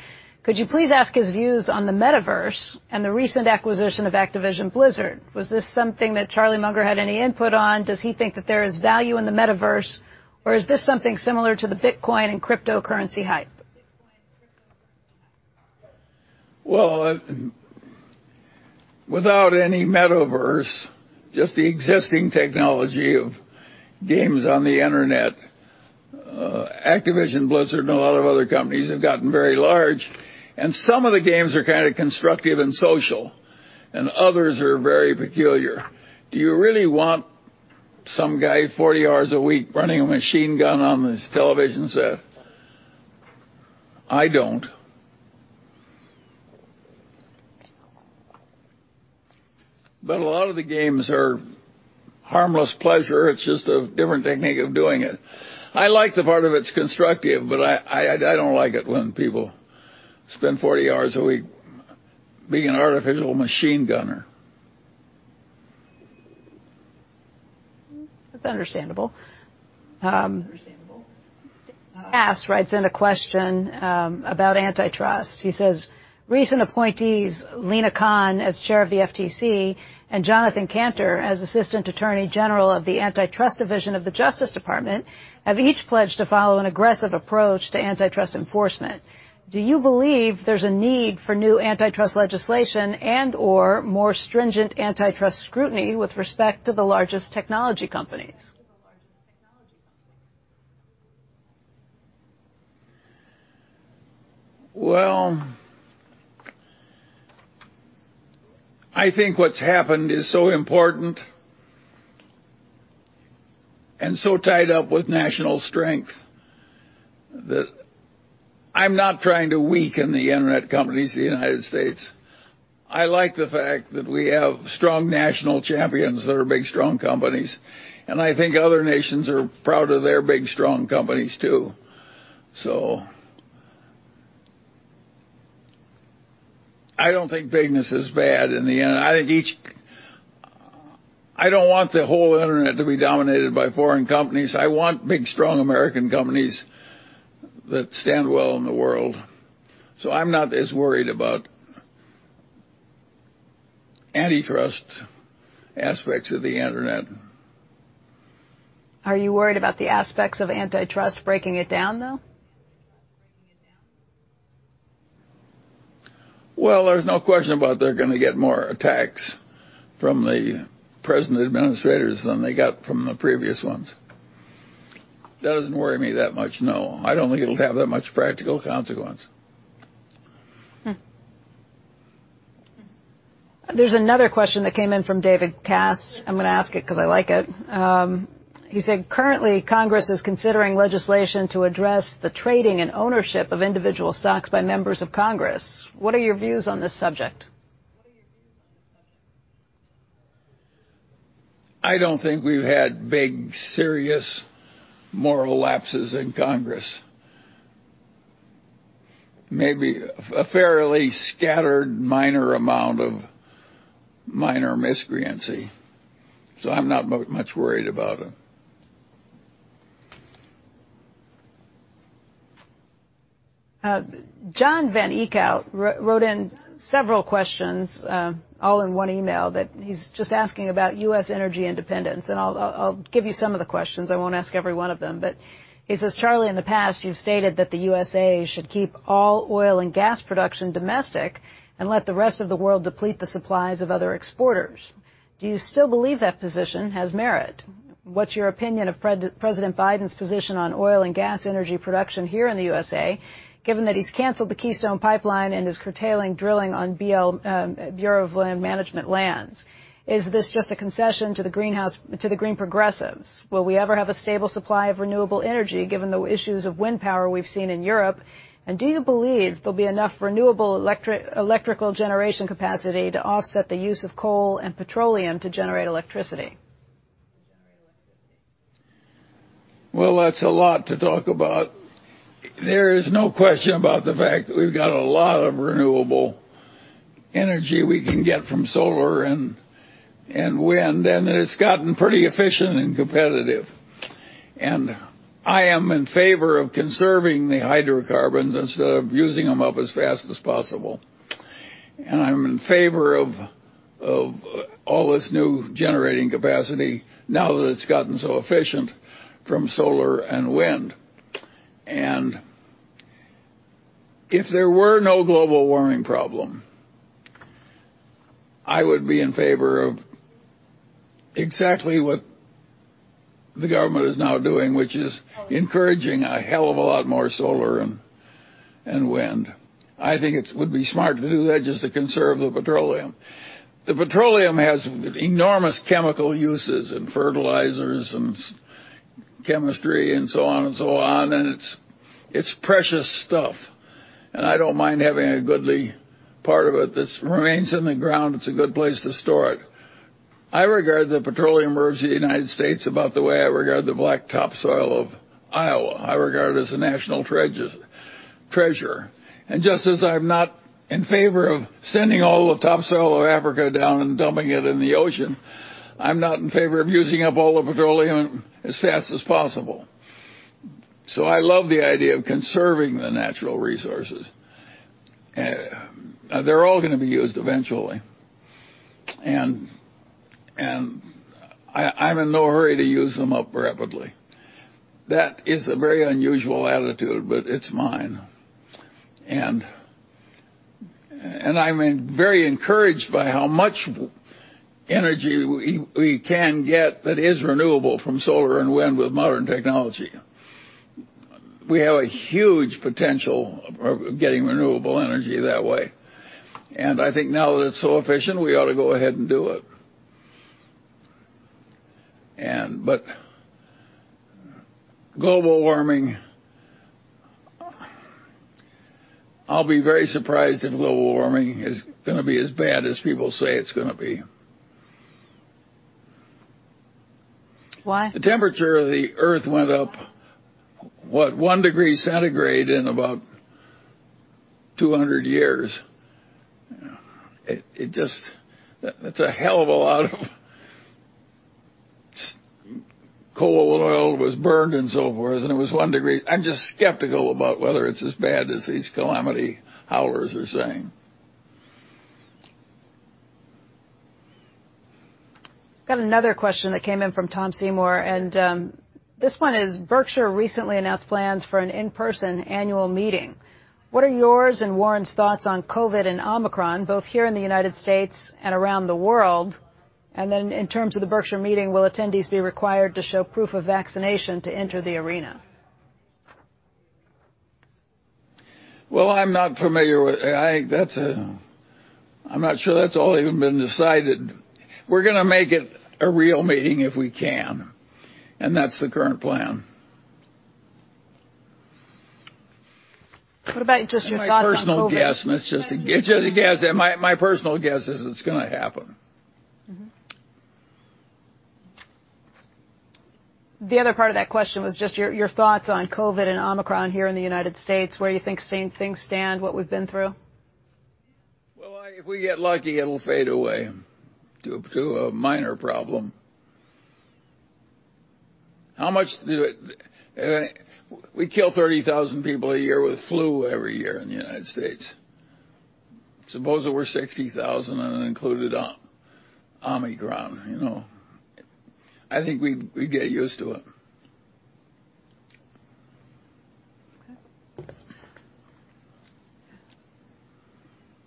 Could you please ask his views on the Metaverse and the recent acquisition of Activision Blizzard? Was this something that Charlie Munger had any input on? Does he think that there is value in the Metaverse, or is this something similar to the Bitcoin and cryptocurrency hype? Well, without any Metaverse, just the existing technology of games on the Internet, Activision Blizzard and a lot of other companies have gotten very large, and some of the games are kinda constructive and social, and others are very peculiar. Do you really want some guy 40 hours a week running a machine gun on his television set? I don't. But a lot of the games are harmless pleasure. It's just a different technique of doing it. I like the part of it's constructive, but I don't like it when people spend 40 hours a week being an artificial machine gunner. That's understandable. Cass writes in a question about antitrust. He says, "Recent appointees, Lina Khan, as Chair of the FTC, and Jonathan Kanter, as Assistant Attorney General of the Antitrust Division of the Justice Department, have each pledged to follow an aggressive approach to antitrust enforcement. Do you believe there's a need for new antitrust legislation and/or more stringent antitrust scrutiny with respect to the largest technology companies? Well, I think what's happened is so important and so tied up with national strength that I'm not trying to weaken the internet companies in the United States. I like the fact that we have strong national champions that are big, strong companies, and I think other nations are proud of their big, strong companies, too. I don't think bigness is bad in the end. I don't want the whole internet to be dominated by foreign companies. I want big, strong American companies that stand well in the world. I'm not as worried about antitrust aspects of the internet. Are you worried about the aspects of antitrust breaking it down, though? Well, there's no question about they're gonna get more attacks from the present administrators than they got from the previous ones. That doesn't worry me that much, no. I don't think it'll have that much practical consequence. There's another question that came in from David Cass. I'm gonna ask it 'cause I like it. He said, "Currently, Congress is considering legislation to address the trading and ownership of individual stocks by members of Congress. What are your views on this subject? I don't think we've had big, serious moral lapses in Congress. Maybe a fairly scattered minor amount of minor miscreancy, so I'm not much worried about it. John Van Eekhout wrote in several questions, all in one email, that he's just asking about U.S. energy independence, and I'll give you some of the questions. I won't ask every one of them. He says, "Charlie, in the past, you've stated that the U.S.A. should keep all oil and gas production domestic and let the rest of the world deplete the supplies of other exporters. Do you still believe that position has merit? What's your opinion of President Biden's position on oil and gas energy production here in the U.S.A., given that he's canceled the Keystone Pipeline and is curtailing drilling on Bureau of Land Management lands? Is this just a concession to the green progressives? Will we ever have a stable supply of renewable energy, given the issues of wind power we've seen in Europe? Do you believe there'll be enough renewable electrical generation capacity to offset the use of coal and petroleum to generate electricity? Well, that's a lot to talk about. There is no question about the fact that we've got a lot of renewable energy we can get from solar and wind, and it's gotten pretty efficient and competitive. I am in favor of conserving the hydrocarbons instead of using them up as fast as possible. I'm in favor of all this new generating capacity now that it's gotten so efficient from solar and wind. If there were no global warming problem, I would be in favor of exactly what the government is now doing, which is encouraging a hell of a lot more solar and wind. I think it would be smart to do that just to conserve the petroleum. The petroleum has enormous chemical uses in fertilizers and such chemistry and so on and so on, and it's precious stuff. I don't mind having a goodly part of it that remains in the ground. It's a good place to store it. I regard the petroleum reserves of the United States about the way I regard the black topsoil of Iowa. I regard it as a national treasure. Just as I'm not in favor of sending all the topsoil of Africa down and dumping it in the ocean, I'm not in favor of using up all the petroleum as fast as possible. I love the idea of conserving the natural resources. They're all gonna be used eventually. I'm in no hurry to use them up rapidly. That is a very unusual attitude, but it's mine. I'm very encouraged by how much energy we can get that is renewable from solar and wind with modern technology. We have a huge potential of getting renewable energy that way, and I think now that it's so efficient, we ought to go ahead and do it. Global warming, I'll be very surprised if global warming is gonna be as bad as people say it's gonna be. Why? The temperature of the Earth went up, what, one degree centigrade in about 200 years. It just. That's a hell of a lot of coal and oil was burned and so forth, and it was one degree. I'm just skeptical about whether it's as bad as these calamity howlers are saying. Got another question that came in from Tom Seymour, and this one is, Berkshire recently announced plans for an in-person annual meeting. What are yours and Warren's thoughts on COVID and Omicron, both here in the United States and around the world? In terms of the Berkshire meeting, will attendees be required to show proof of vaccination to enter the arena? Well, I'm not sure that's all even been decided. We're gonna make it a real meeting if we can, and that's the current plan. What about just your thoughts on COVID? My personal guess, and it's just a guess. My personal guess is it's gonna happen. The other part of that question was just your thoughts on COVID and Omicron here in the United States, where you think the same things stand, what we've been through. If we get lucky, it'll fade away to a minor problem. How much does it kill 30,000 people a year with flu every year in the United States? Suppose it were 60,000 and it included Omicron, you know. I think we'd get used to it. Okay.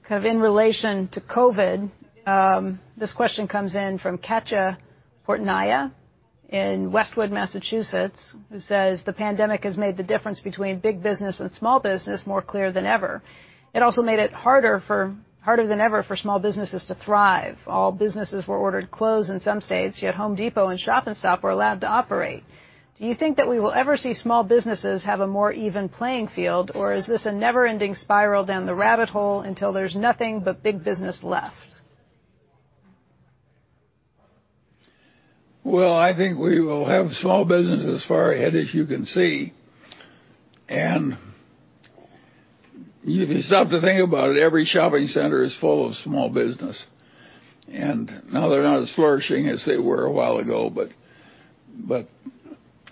Kind of in relation to COVID, this question comes in from Katya Portnaya in Westwood, Massachusetts, who says, "The pandemic has made the difference between big business and small business more clear than ever. It also made it harder for, harder than ever for small businesses to thrive. All businesses were ordered closed in some states, yet Home Depot and Stop & Shop were allowed to operate. Do you think that we will ever see small businesses have a more even playing field, or is this a never-ending spiral down the rabbit hole until there's nothing but big business left? Well, I think we will have small businesses as far ahead as you can see. If you stop to think about it, every shopping center is full of small business. Now they're not as flourishing as they were a while ago, but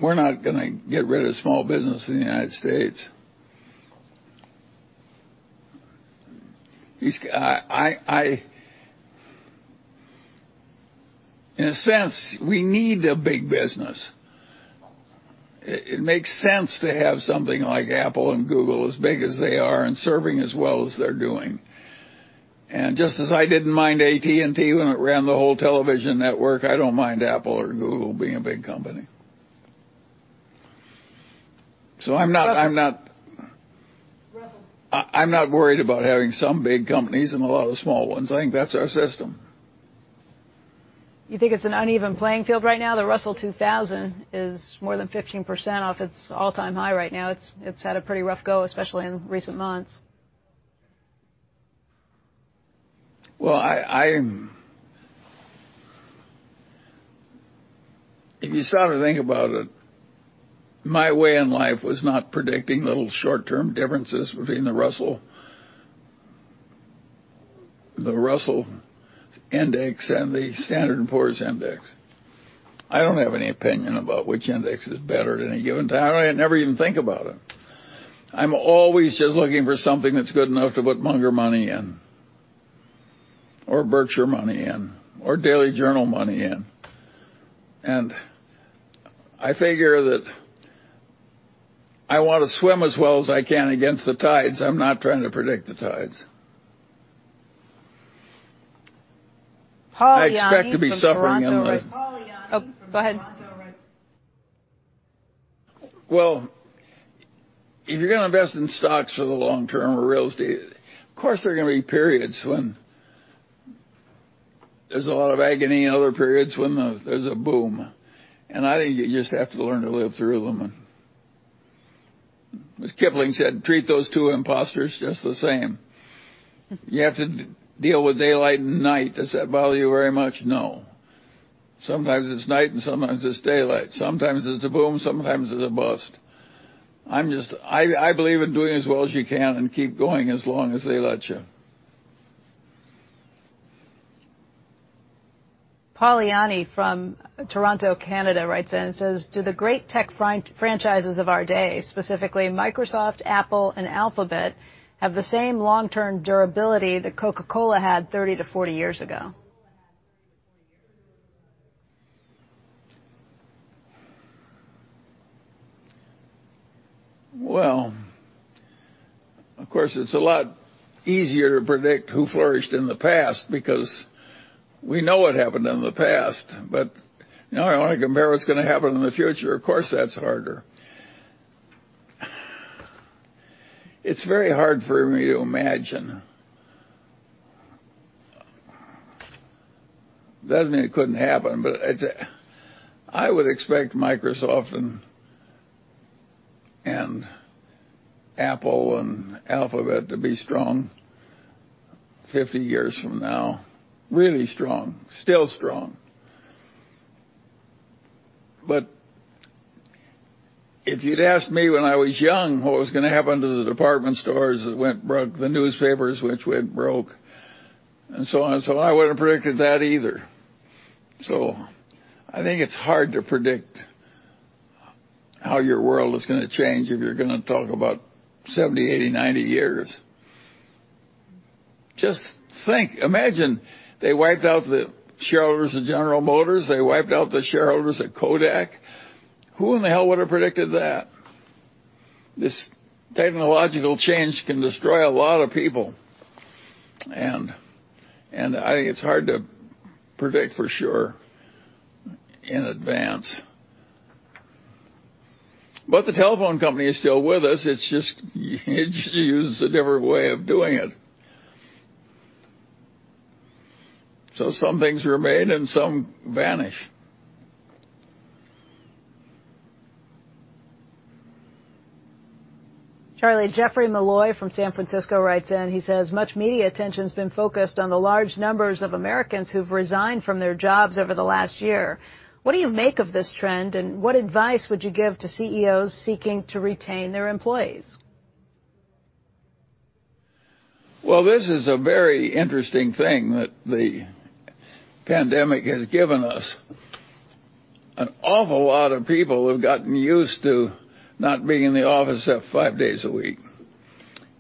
we're not gonna get rid of small business in the United States. In a sense, we need a big business. It makes sense to have something like Apple and Google as big as they are and serving as well as they're doing. Just as I didn't mind AT&T when it ran the whole television network, I don't mind Apple or Google being a big company. I'm not. Russell. I'm not worried about having some big companies and a lot of small ones. I think that's our system. You think it's an uneven playing field right now? The Russell 2000 is more than 15% off its all-time high right now. It's had a pretty rough go, especially in recent months. Well, I'm... If you stop to think about it, my way in life was not predicting little short-term differences between the Russell Index and the Standard & Poor's Index. I don't have any opinion about which index is better at any given time. I never even think about it. I'm always just looking for something that's good enough to put Munger money in, or Berkshire money in, or Daily Journal money in. I figure that I want to swim as well as I can against the tides. I'm not trying to predict the tides. Paul Yanni from Toronto. I expect to be suffering in the. Oh, go ahead. Well, if you're gonna invest in stocks for the long term or real estate, of course, there are gonna be periods when there's a lot of agony and other periods when there's a boom. I think you just have to learn to live through them. As Kipling said, "Treat those two imposters just the same." You have to deal with daylight and night. Does that bother you very much? No. Sometimes it's night, and sometimes it's daylight. Sometimes it's a boom, sometimes it's a bust. I believe in doing as well as you can and keep going as long as they let you. Paul Yanni from Toronto, Canada, writes in and says, "Do the great tech franchises of our day, specifically Microsoft, Apple, and Alphabet, have the same long-term durability that Coca-Cola had 30-40 years ago? Well, of course, it's a lot easier to predict who flourished in the past because we know what happened in the past. Now I wanna compare what's gonna happen in the future. Of course, that's harder. It's very hard for me to imagine. Doesn't mean it couldn't happen, but it's. I would expect Microsoft and Apple and Alphabet to be strong 50 years from now, really strong, still strong. If you'd asked me when I was young what was gonna happen to the department stores that went broke, the newspapers which went broke, and so on and so on, I wouldn't have predicted that either. I think it's hard to predict how your world is gonna change if you're gonna talk about 70, 80, 90 years. Just think. Imagine, they wiped out the shareholders of General Motors, they wiped out the shareholders at Kodak. Who in the hell would have predicted that? This technological change can destroy a lot of people. I think it's hard to predict for sure in advance. The telephone company is still with us. It's just uses a different way of doing it. Some things remain and some vanish. Charlie, Jeffrey Malloy from San Francisco writes in. He says, "Much media attention's been focused on the large numbers of Americans who've resigned from their jobs over the last year. What do you make of this trend, and what advice would you give to CEOs seeking to retain their employees? Well, this is a very interesting thing that the pandemic has given us. An awful lot of people have gotten used to not being in the office except five days a week,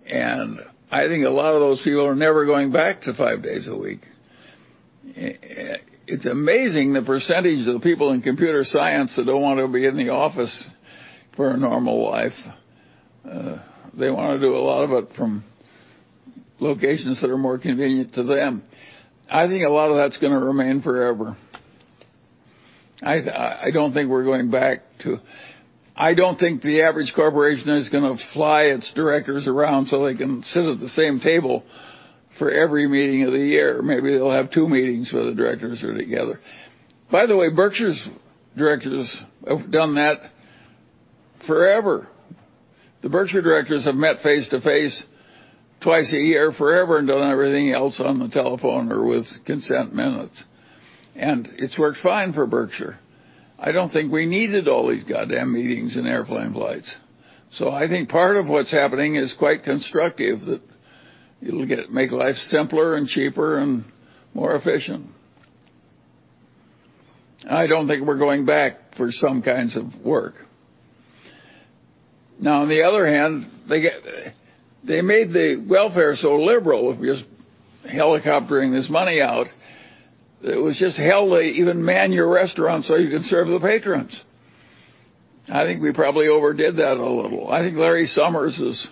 and I think a lot of those people are never going back to five days a week. It's amazing the percentage of people in computer science that don't want to be in the office for a normal life. They wanna do a lot of it from locations that are more convenient to them. I think a lot of that's gonna remain forever. I don't think the average corporation is gonna fly its directors around so they can sit at the same table for every meeting of the year. Maybe they'll have two meetings where the directors are together. By the way, Berkshire's directors have done that forever. The Berkshire directors have met face to face twice a year forever and done everything else on the telephone or with consent minutes, and it's worked fine for Berkshire. I don't think we needed all these goddamn meetings and airplane flights. I think part of what's happening is quite constructive, that it'll make life simpler and cheaper and more efficient. I don't think we're going back for some kinds of work. Now, on the other hand, they made the welfare so liberal with just helicoptering this money out, it was just hell to even man your restaurant so you could serve the patrons. I think we probably overdid that a little. I think Lawrence Summers is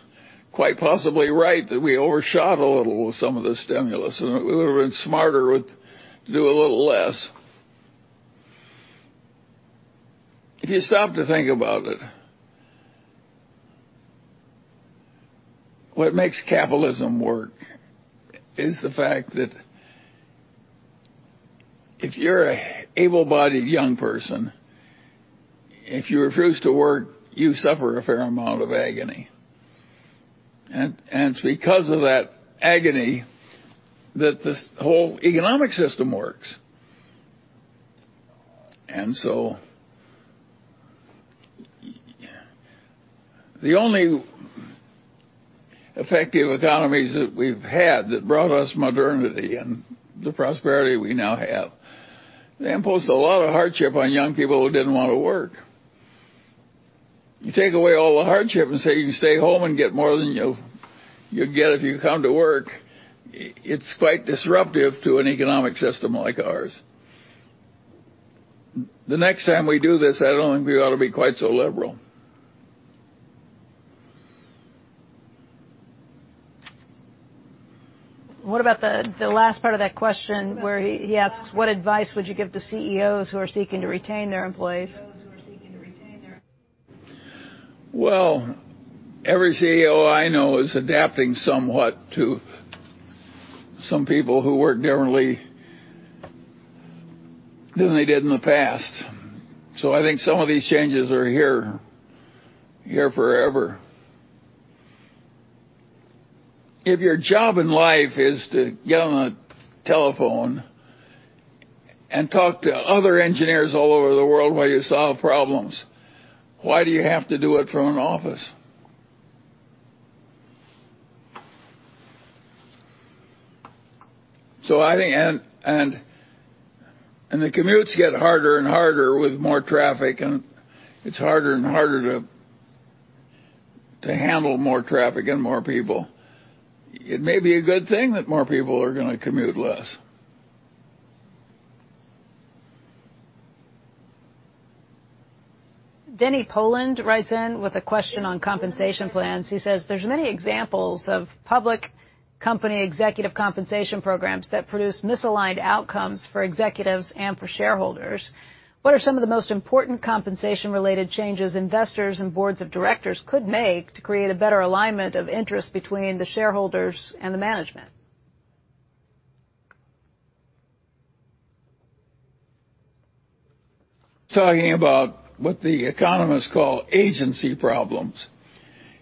quite possibly right that we overshot a little with some of the stimulus, and it would've been smarter with to do a little less. If you stop to think about it, what makes capitalism work is the fact that if you're an able-bodied young person, if you refuse to work, you suffer a fair amount of agony. It's because of that agony that this whole economic system works. The only effective economies that we've had that brought us modernity and the prosperity we now have, they imposed a lot of hardship on young people who didn't want to work. You take away all the hardship and say, you can stay home and get more than you'd get if you come to work, it's quite disruptive to an economic system like ours. The next time we do this, I don't think we ought to be quite so liberal. What about the last part of that question where he asks, what advice would you give to CEOs who are seeking to retain their employees? Well, every CEO I know is adapting somewhat to some people who work differently than they did in the past. I think some of these changes are here forever. If your job in life is to get on a telephone and talk to other engineers all over the world while you solve problems, why do you have to do it from an office? The commutes get harder and harder with more traffic, and it's harder and harder to handle more traffic and more people. It may be a good thing that more people are gonna commute less. Denny Poland writes in with a question on compensation plans. He says, "There's many examples of public company executive compensation programs that produce misaligned outcomes for executives and for shareholders. What are some of the most important compensation-related changes investors and boards of directors could make to create a better alignment of interest between the shareholders and the management? Talking about what the economists call agency problems.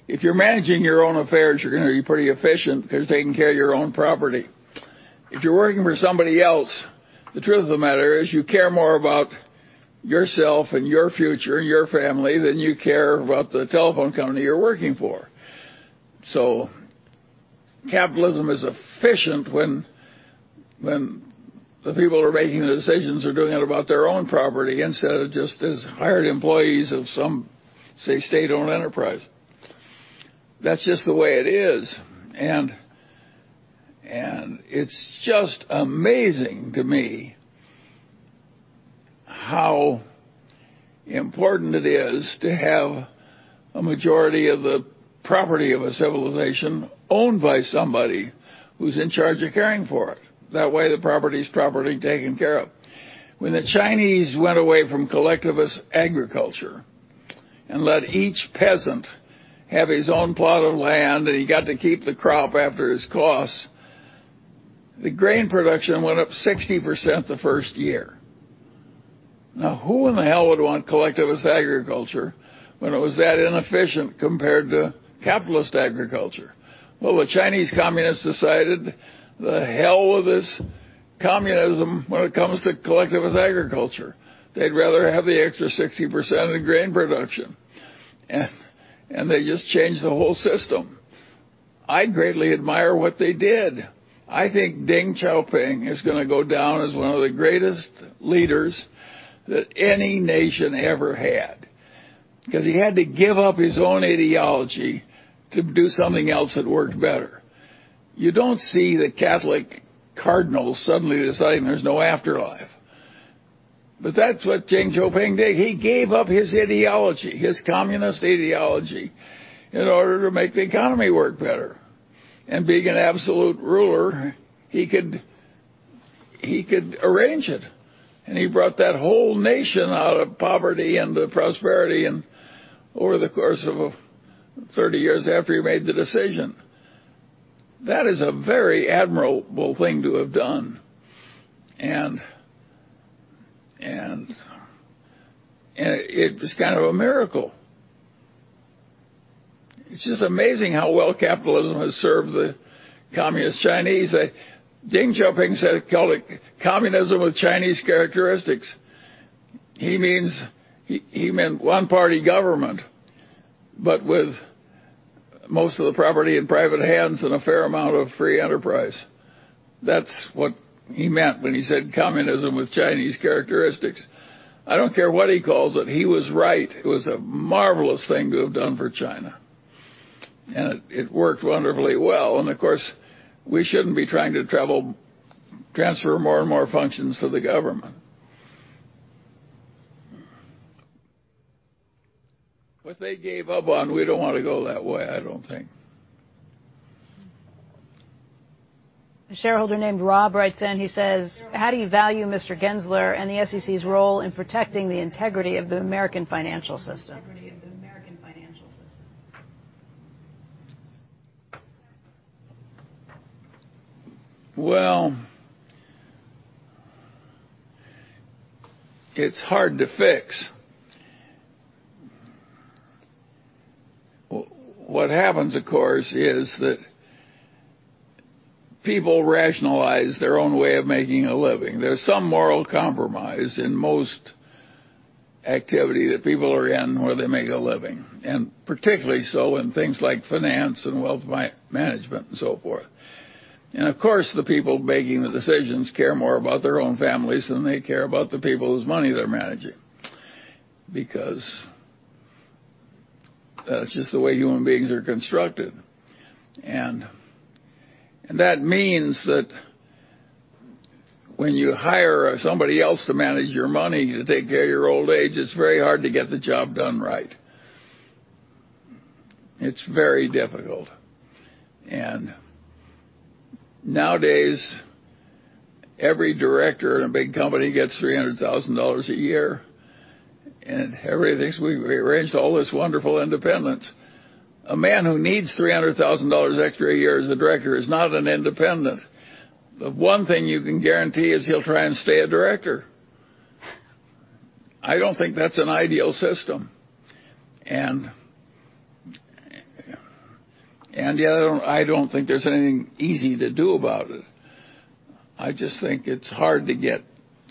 If you're managing your own affairs, you're gonna be pretty efficient 'cause you're taking care of your own property. If you're working for somebody else, the truth of the matter is you care more about yourself and your future and your family than you care about the telephone company you're working for. Capitalism is efficient when the people who are making the decisions are doing it about their own property instead of just as hired employees of some, say, state-owned enterprise. That's just the way it is. It's just amazing to me how important it is to have a majority of the property of a civilization owned by somebody who's in charge of caring for it. That way the property is properly taken care of. When the Chinese went away from collectivist agriculture and let each peasant have his own plot of land and he got to keep the crop after his costs, the grain production went up 60% the first year. Now, who in the hell would want collectivist agriculture when it was that inefficient compared to capitalist agriculture? Well, the Chinese communists decided the hell with this communism when it comes to collectivist agriculture. They'd rather have the extra 60% of the grain production. they just changed the whole system. I greatly admire what they did. I think Deng Xiaoping is gonna go down as one of the greatest leaders that any nation ever had, because he had to give up his own ideology to do something else that worked better. You don't see the Catholic cardinals suddenly deciding there's no afterlife. that's what Deng Xiaoping did. He gave up his ideology, his communist ideology, in order to make the economy work better. Being an absolute ruler, he could arrange it. He brought that whole nation out of poverty and to prosperity and over the course of 30 years after he made the decision. That is a very admirable thing to have done. It was kind of a miracle. It's just amazing how well capitalism has served the communist Chinese. Deng Xiaoping said, called it communism with Chinese characteristics. He meant one-party government, but with most of the property in private hands and a fair amount of free enterprise. That's what he meant when he said communism with Chinese characteristics. I don't care what he calls it. He was right. It was a marvelous thing to have done for China. It worked wonderfully well. Of course, we shouldn't be trying to transfer more and more functions to the government. What they gave up on, we don't wanna go that way, I don't think. A shareholder named Rob writes in. He says, "How do you value Mr. Gensler and the SEC's role in protecting the integrity of the American financial system? Well, it's hard to fix. What happens, of course, is that people rationalize their own way of making a living. There's some moral compromise in most activity that people are in where they make a living, and particularly so in things like finance and wealth man-management and so forth. Of course, the people making the decisions care more about their own families than they care about the people whose money they're managing. That's just the way human beings are constructed. That means that when you hire somebody else to manage your money to take care of your old age, it's very hard to get the job done right. It's very difficult. Nowadays, every director in a big company gets $300,000 a year, and everybody thinks we've arranged all this wonderful independence. A man who needs $300,000 extra a year as a director is not an independent. The one thing you can guarantee is he'll try and stay a director. I don't think that's an ideal system, and yet I don't think there's anything easy to do about it. I just think it's hard to get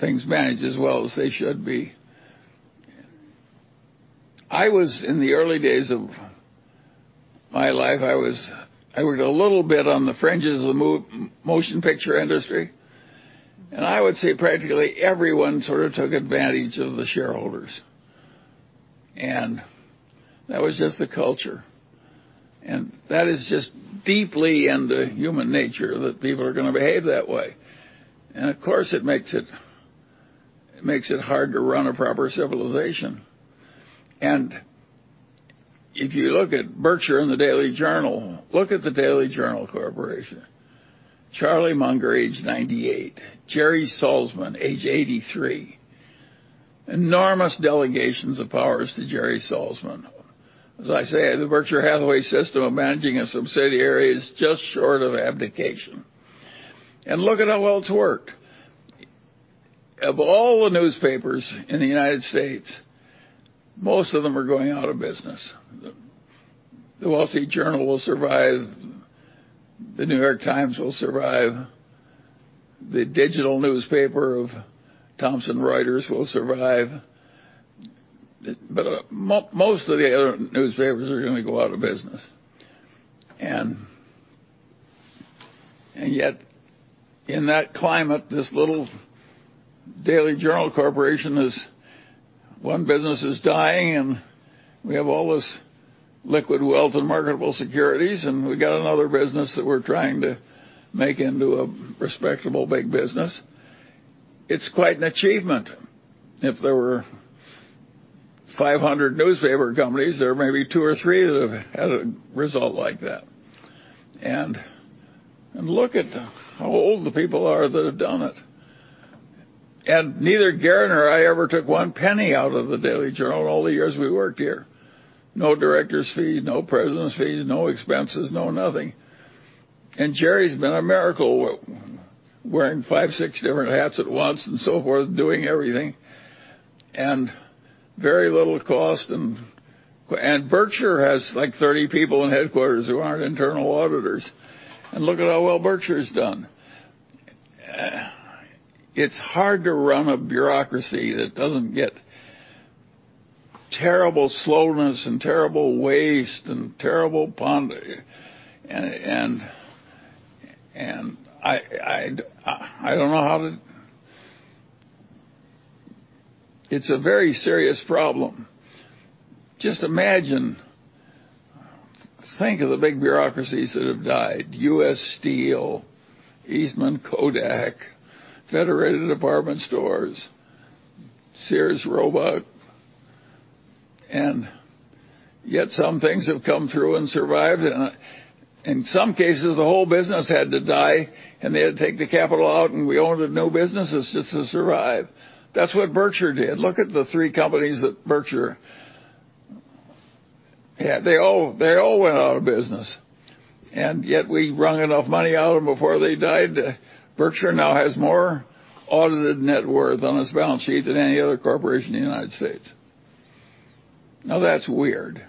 things managed as well as they should be. In the early days of my life, I worked a little bit on the fringes of the motion picture industry, and I would say practically everyone sort of took advantage of the shareholders. That was just the culture. That is just deeply into human nature that people are gonna behave that way. Of course, it makes it hard to run a proper civilization. If you look at Berkshire and the Daily Journal, look at the Daily Journal Corporation. Charlie Munger, age 98. Jerry Salzman, age 83. Enormous delegations of powers to Jerry Salzman. As I say, the Berkshire Hathaway system of managing a subsidiary is just short of abdication. Look at how well it's worked. Of all the newspapers in the United States, most of them are going out of business. The Wall Street Journal will survive. The New York Times will survive. The digital newspaper of Thomson Reuters will survive. Most of the other newspapers are gonna go out of business. Yet, in that climate, this little Daily Journal Corporation is. One business is dying, and we have all this liquid wealth and marketable securities, and we got another business that we're trying to make into a respectable big business. It's quite an achievement. If there were 500 newspaper companies, there may be two or three that have had a result like that. Look at how old the people are that have done it. Neither Gary nor I ever took one penny out of the Daily Journal in all the years we worked here. No director's fee, no president's fees, no expenses, no nothing. Jerry's been a miracle wearing five, six different hats at once and so forth, doing everything, and very little cost. Berkshire has, like, 30 people in headquarters who aren't internal auditors. Look at how well Berkshire's done. It's hard to run a bureaucracy that doesn't get terrible slowness and terrible waste and terrible ponderousness. I don't know how to. It's a very serious problem. Just imagine. Think of the big bureaucracies that have died. U.S. Steel, Eastman Kodak, Federated Department Stores, Sears, Roebuck. Yet some things have come through and survived. In some cases, the whole business had to die, and they had to take the capital out, and we owned new businesses just to survive. That's what Berkshire did. Look at the three companies that Berkshire had. They all went out of business. Yet we wrung enough money out of them before they died. Berkshire now has more audited net worth on its balance sheet than any other corporation in the United States. Now, that's weird.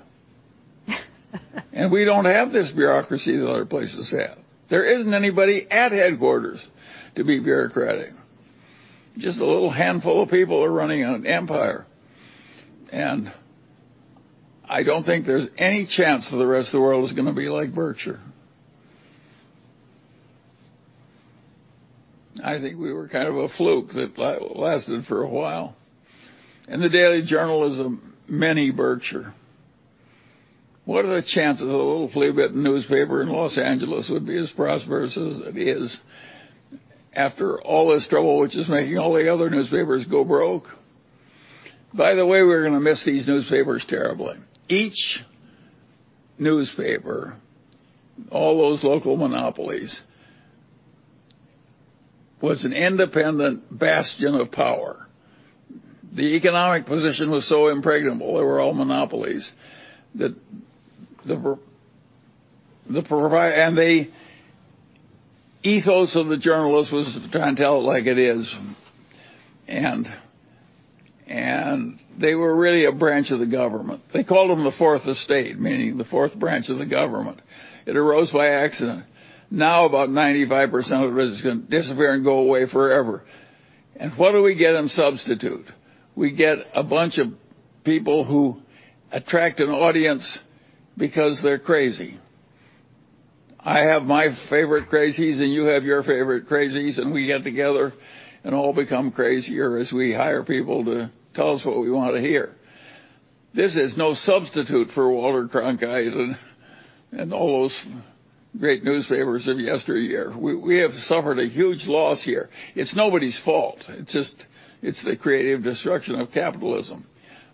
We don't have this bureaucracy that other places have. There isn't anybody at headquarters to be bureaucratic. Just a little handful of people are running an empire. I don't think there's any chance that the rest of the world is gonna be like Berkshire. I think we were kind of a fluke that lasted for a while. The Daily Journal is a mini Berkshire. What are the chances that a little fleabit newspaper in Los Angeles would be as prosperous as it is after all this trouble, which is making all the other newspapers go broke? By the way, we're gonna miss these newspapers terribly. Each newspaper, all those local monopolies, was an independent bastion of power. The economic position was so impregnable, they were all monopolies, that and the ethos of the journalist was to try and tell it like it is. They were really a branch of the government. They called them the fourth estate, meaning the fourth branch of the government. It arose by accident. Now about 95% of the rest is gonna disappear and go away forever. What do we get in substitute? We get a bunch of people who attract an audience because they're crazy. I have my favorite crazies and you have your favorite crazies, and we get together and all become crazier as we hire people to tell us what we want to hear. This is no substitute for Walter Cronkite and all those great newspapers of yesteryear. We have suffered a huge loss here. It's nobody's fault. It's just the creative destruction of capitalism,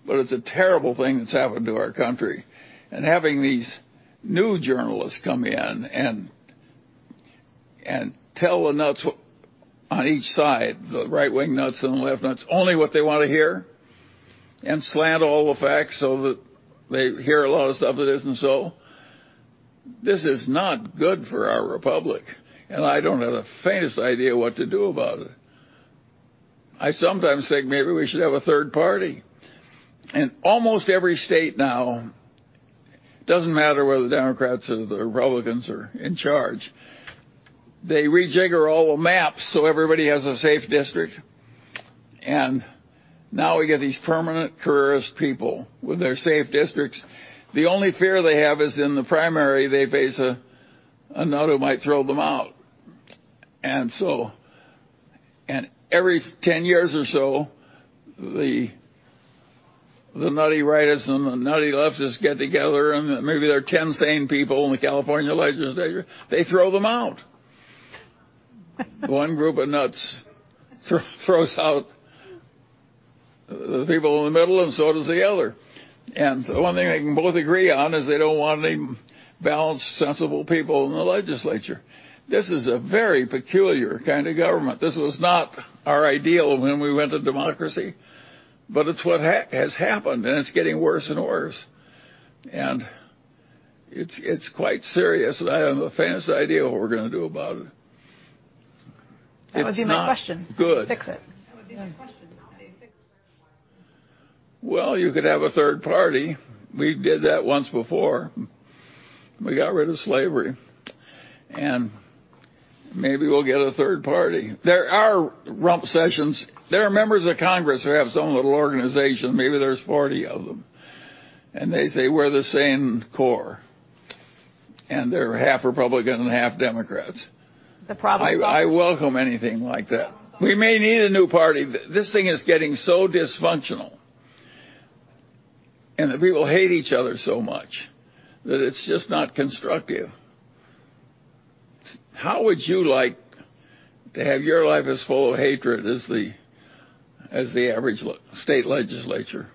but it's a terrible thing that's happened to our country. Having these new journalists come in and tell the nuts on each side, the right-wing nuts and the left nuts, only what they want to hear and slant all the facts so that they hear a lot of stuff that isn't so. This is not good for our republic, and I don't have the faintest idea what to do about it. I sometimes think maybe we should have a third party. In almost every state now, doesn't matter whether the Democrats or the Republicans are in charge, they rejigger all the maps, so everybody has a safe district. Now we get these permanent careerist people with their safe districts. The only fear they have is in the primary, they face a nut who might throw them out. Every 10 years or so, the nutty rightists and the nutty leftists get together, and maybe there are 10 sane people in the California Legislature. They throw them out. One group of nuts throws out the people in the middle, and so does the other. The one thing they can both agree on is they don't want any balanced, sensible people in the legislature. This is a very peculiar kind of government. This was not our ideal when we went to democracy, but it's what has happened, and it's getting worse and worse. It's quite serious, and I haven't the faintest idea what we're gonna do about it. That was in my question. It's not good. Fix it. That would be my question. How do you fix? Well, you could have a third party. We did that once before. We got rid of slavery. Maybe we'll get a third party. There are rump sessions. There are members of Congress who have some little organization. Maybe there's 40 of them, and they say, "We're the sane core." They're half Republican and half Democrats. The problem. I welcome anything like that. We may need a new party. This thing is getting so dysfunctional, and the people hate each other so much that it's just not constructive. How would you like to have your life as full of hatred as the average state legislature?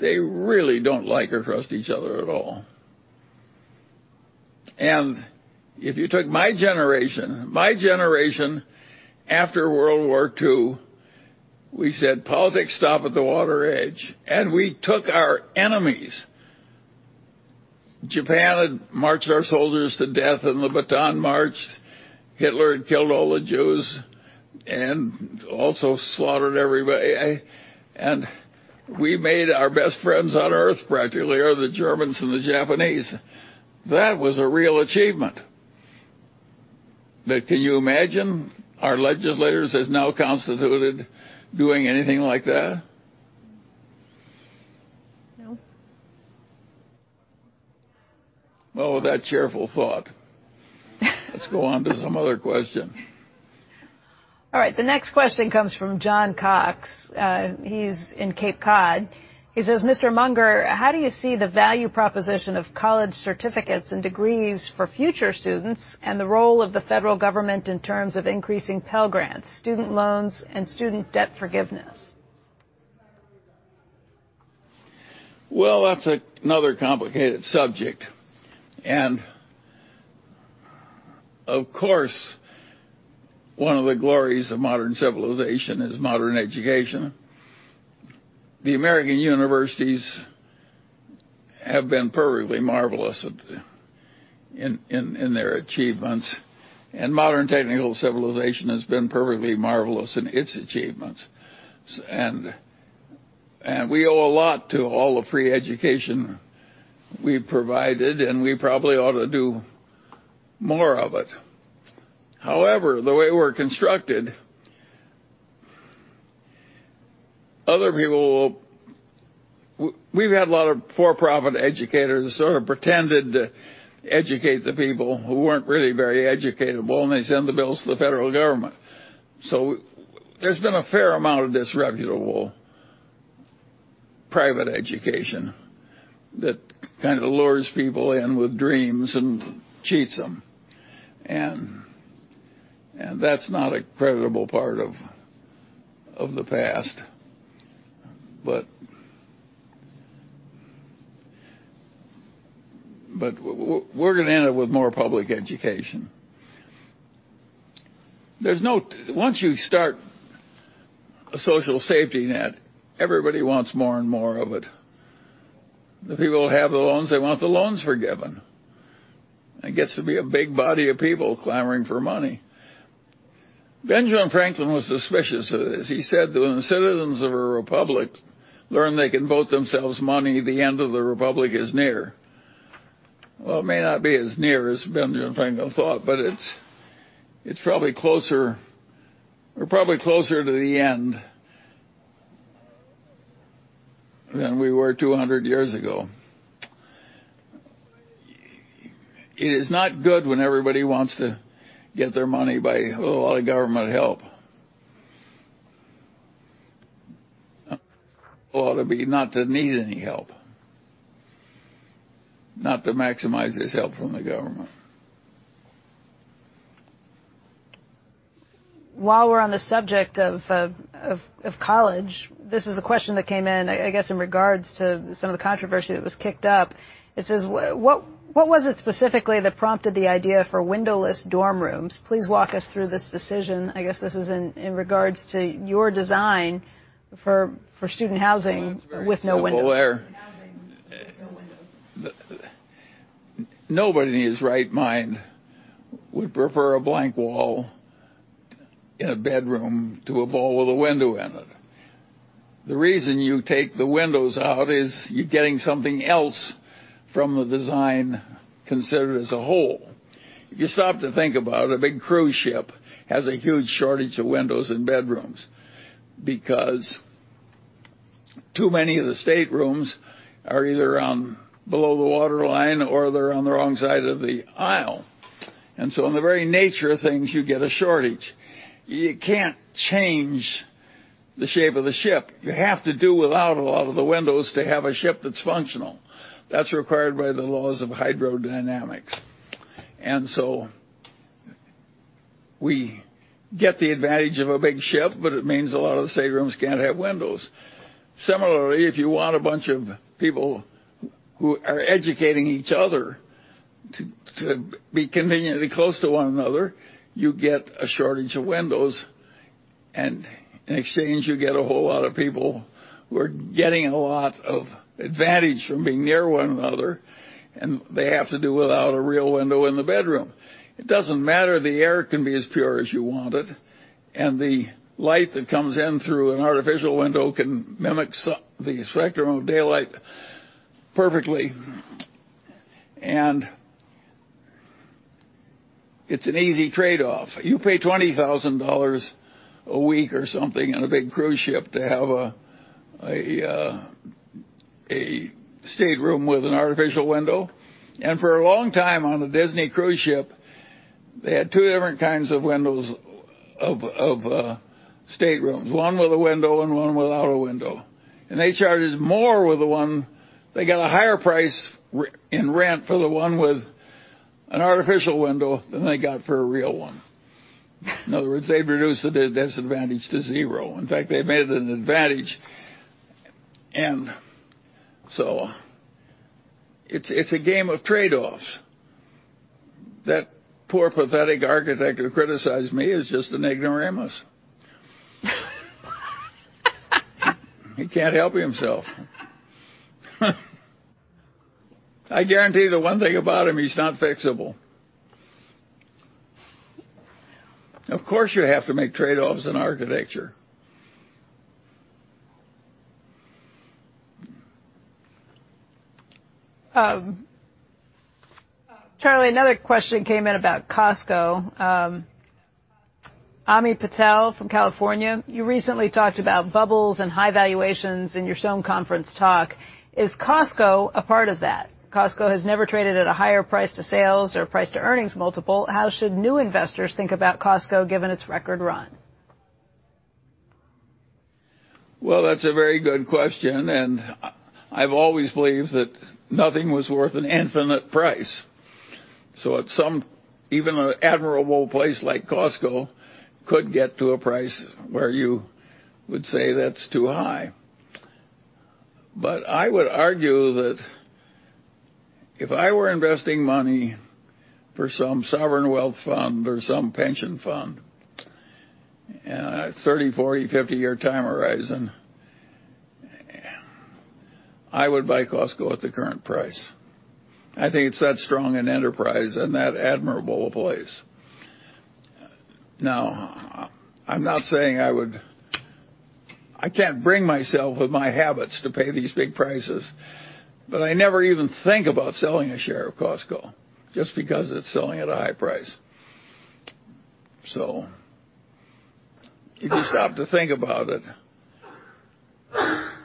They really don't like or trust each other at all. If you took my generation after World War II, we said, "Politics stop at the water edge," and we took our enemies. Japan had marched our soldiers to death in the Bataan Death March. Hitler had killed all the Jews and also slaughtered everybody. We made our best friends on Earth practically are the Germans and the Japanese. That was a real achievement. That can you imagine our legislators as now constituted doing anything like that? No. Well, with that cheerful thought, let's go on to some other question. All right. The next question comes from John Cox. He's in Cape Cod. He says, "Mr. Munger, how do you see the value proposition of college certificates and degrees for future students and the role of the federal government in terms of increasing Pell Grants, student loans, and student debt forgiveness? Well, that's another complicated subject. Of course, one of the glories of modern civilization is modern education. The American universities have been perfectly marvelous in their achievements, and modern technical civilization has been perfectly marvelous in its achievements. We owe a lot to all the free education we provided, and we probably ought to do more of it. However, the way we're constructed, other people will—we've had a lot of for-profit educators sort of pretended to educate the people who weren't really very educatable, and they send the bills to the federal government. There's been a fair amount of disreputable private education that kind of lures people in with dreams and cheats them. That's not a creditable part of the past. We're gonna end up with more public education. Once you start a social safety net, everybody wants more and more of it. The people who have the loans, they want the loans forgiven. It gets to be a big body of people clamoring for money. Benjamin Franklin was suspicious of this. He said, "When the citizens of a republic learn they can vote themselves money, the end of the republic is near." Well, it may not be as near as Benjamin Franklin thought, but it's probably closer. We're probably closer to the end than we were 200 years ago. It is not good when everybody wants to get their money by a whole lot of government help. The goal ought to be not to need any help, not to maximize this help from the government. While we're on the subject of college, this is a question that came in, I guess in regards to some of the controversy that was kicked up. It says, "What was it specifically that prompted the idea for windowless dorm rooms? Please walk us through this decision." I guess this is in regards to your design for student housing with no windows. Well, it's very simple there. Student housing with no windows. Nobody in his right mind would prefer a blank wall in a bedroom to a wall with a window in it. The reason you take the windows out is you're getting something else from the design considered as a whole. If you stop to think about it, a big cruise ship has a huge shortage of windows and bedrooms because too many of the staterooms are either on or below the waterline or they're on the wrong side of the ship. In the very nature of things, you get a shortage. You can't change the shape of the ship. You have to do without a lot of the windows to have a ship that's functional. That's required by the laws of hydrodynamics. We get the advantage of a big ship, but it means a lot of the staterooms can't have windows. Similarly, if you want a bunch of people who are educating each other to be conveniently close to one another, you get a shortage of windows, and in exchange you get a whole lot of people who are getting a lot of advantage from being near one another, and they have to do without a real window in the bedroom. It doesn't matter. The air can be as pure as you want it, and the light that comes in through an artificial window can mimic the spectrum of daylight perfectly. It's an easy trade-off. You pay $20,000 a week or something on a big cruise ship to have a stateroom with an artificial window. For a long time on a Disney cruise ship, they had two different kinds of windows of staterooms, one with a window and one without a window. They got a higher price in rent for the one with an artificial window than they got for a real one. In other words, they've reduced the disadvantage to zero. In fact, they made it an advantage. It's a game of trade-offs. That poor, pathetic architect who criticized me is just an ignoramus. He can't help himself. I guarantee the one thing about him, he's not fixable. Of course, you have to make trade-offs in architecture. Charlie, another question came in about Costco. Ami Patel from California. "You recently talked about bubbles and high valuations in your Sohn Conference talk. Is Costco a part of that? Costco has never traded at a higher price to sales or price to earnings multiple. How should new investors think about Costco given its record run? Well, that's a very good question, and I've always believed that nothing was worth an infinite price. At some, even an admirable place like Costco could get to a price where you would say that's too high. I would argue that if I were investing money for some sovereign wealth fund or some pension fund at a 30, 40, 50-year time horizon, I would buy Costco at the current price. I think it's that strong an enterprise and that admirable a place. Now, I'm not saying I would. I can't bring myself with my habits to pay these big prices, but I never even think about selling a share of Costco just because it's selling at a high price. If you stop to think about it,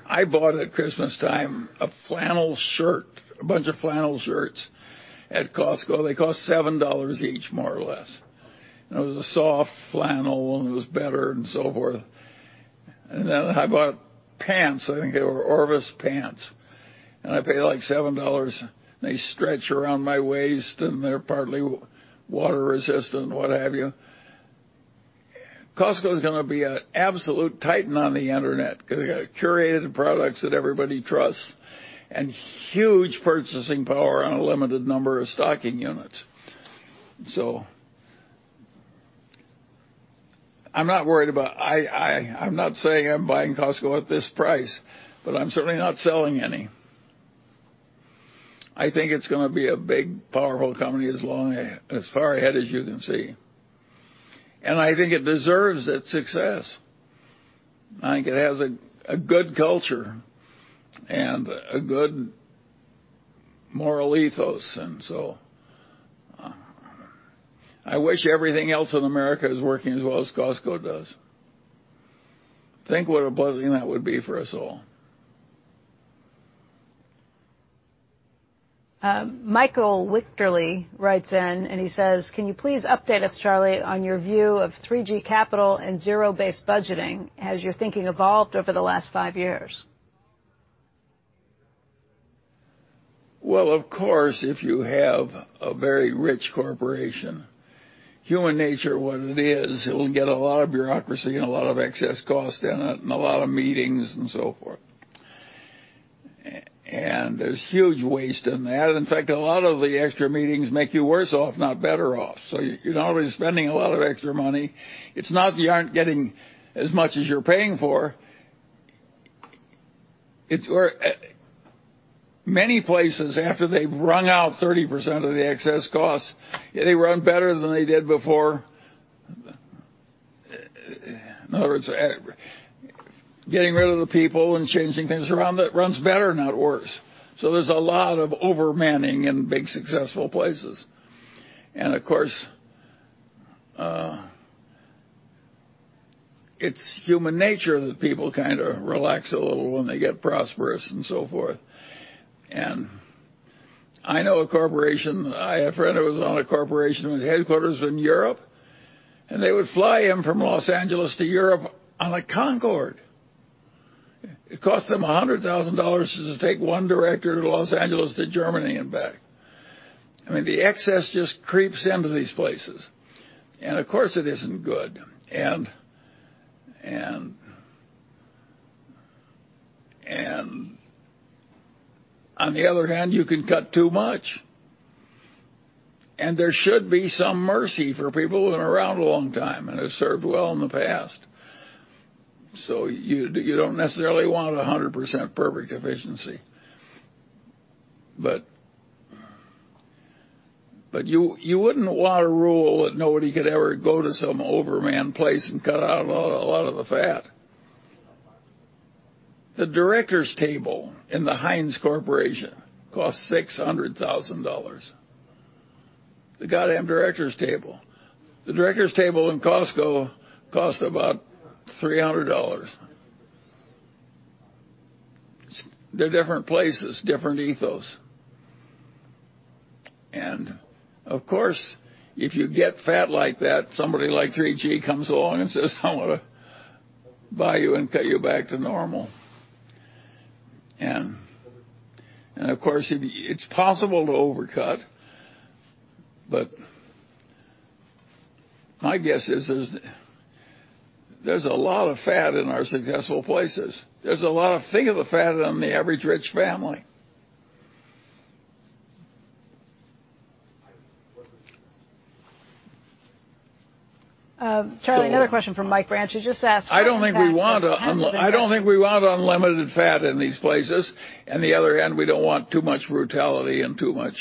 I bought at Christmastime a flannel shirt, a bunch of flannel shirts at Costco. They cost $7 each, more or less. It was a soft flannel, and it was better and so forth. Then I bought pants. I think they were Orvis pants, and I paid, like, $7. They stretch around my waist, and they're partly water resistant, what have you. Costco is gonna be an absolute titan on the Internet 'cause they got curated products that everybody trusts and huge purchasing power on a limited number of stocking units. I'm not worried about it. I—I'm not saying I'm buying Costco at this price, but I'm certainly not selling any. I think it's gonna be a big, powerful company as long as—as far ahead as you can see. I think it deserves that success. I think it has a good culture and a good moral ethos and so I wish everything else in America is working as well as Costco does. Think what a blessing that would be for us all. Michael Wichterly writes in and he says, "Can you please update us, Charlie, on your view of 3G Capital and zero-based budgeting? Has your thinking evolved over the last five years? Well, of course, if you have a very rich corporation, human nature what it is, it will get a lot of bureaucracy and a lot of excess cost in it and a lot of meetings and so forth. And there's huge waste in that. In fact, a lot of the extra meetings make you worse off, not better off. You're already spending a lot of extra money. It's not that you aren't getting as much as you're paying for. It's where, many places after they've wrung out 30% of the excess cost, they run better than they did before. In other words, getting rid of the people and changing things around, it runs better, not worse. There's a lot of overmanning in big, successful places. Of course, it's human nature that people kinda relax a little when they get prosperous and so forth. I know a corporation. I have a friend who was on a corporation with headquarters in Europe, and they would fly him from Los Angeles to Europe on a Concorde. It cost them $100,000 just to take one director to Los Angeles to Germany and back. I mean, the excess just creeps into these places. Of course, it isn't good. On the other hand, you can cut too much. There should be some mercy for people who are around a long time and have served well in the past. You don't necessarily want 100% perfect efficiency. You wouldn't want a rule that nobody could ever go to some overmanned place and cut out a lot of the fat. The director's table in the Heinz Corporation costs $600,000. The goddamn director's table. The director's table in Costco cost about $300. They're different places, different ethos. Of course, if you get fat like that, somebody like 3G comes along and says, "I want to buy you and cut you back to normal." Of course, it's possible to overcut, but my guess is there's a lot of fat in our successful places. There's a lot of fat. Think of the fat on the average rich family. Charlie. So- Another question from Mike Branch, who just asked. I don't think we want unlimited fat in these places. On the other hand, we don't want too much brutality and too much.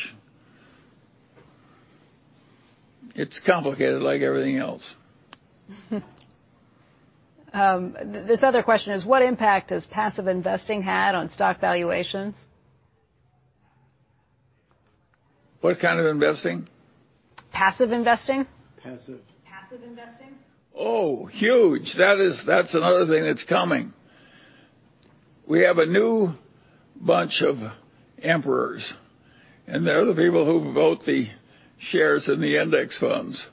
It's complicated like everything else. This other question is, what impact has passive investing had on stock valuations? What kind of investing? Passive investing. Passive. Passive investing. Oh, huge. That's another thing that's coming. We have a new bunch of emperors, and they're the people who vote the shares in the index funds.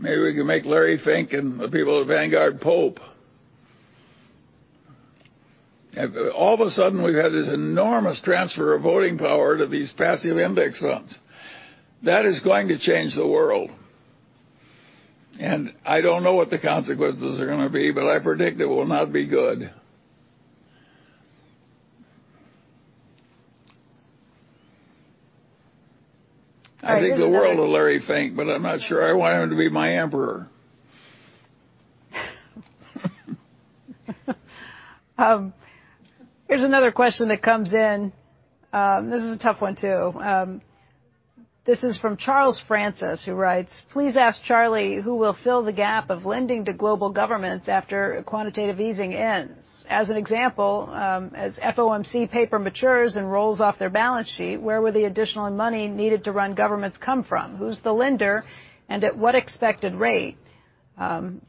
Maybe we can make Larry Fink and the people at Vanguard pope. All of a sudden, we've had this enormous transfer of voting power to these passive index funds. That is going to change the world. I don't know what the consequences are gonna be, but I predict it will not be good. All right. There's another. I think the world of Larry Fink, but I'm not sure I want him to be my emperor. Here's another question that comes in. This is a tough one, too. This is from Charles Francis, who writes, "Please ask Charlie who will fill the gap of lending to global governments after quantitative easing ends. As an example, as FOMC paper matures and rolls off their balance sheet, where will the additional money needed to run governments come from? Who's the lender, and at what expected rate?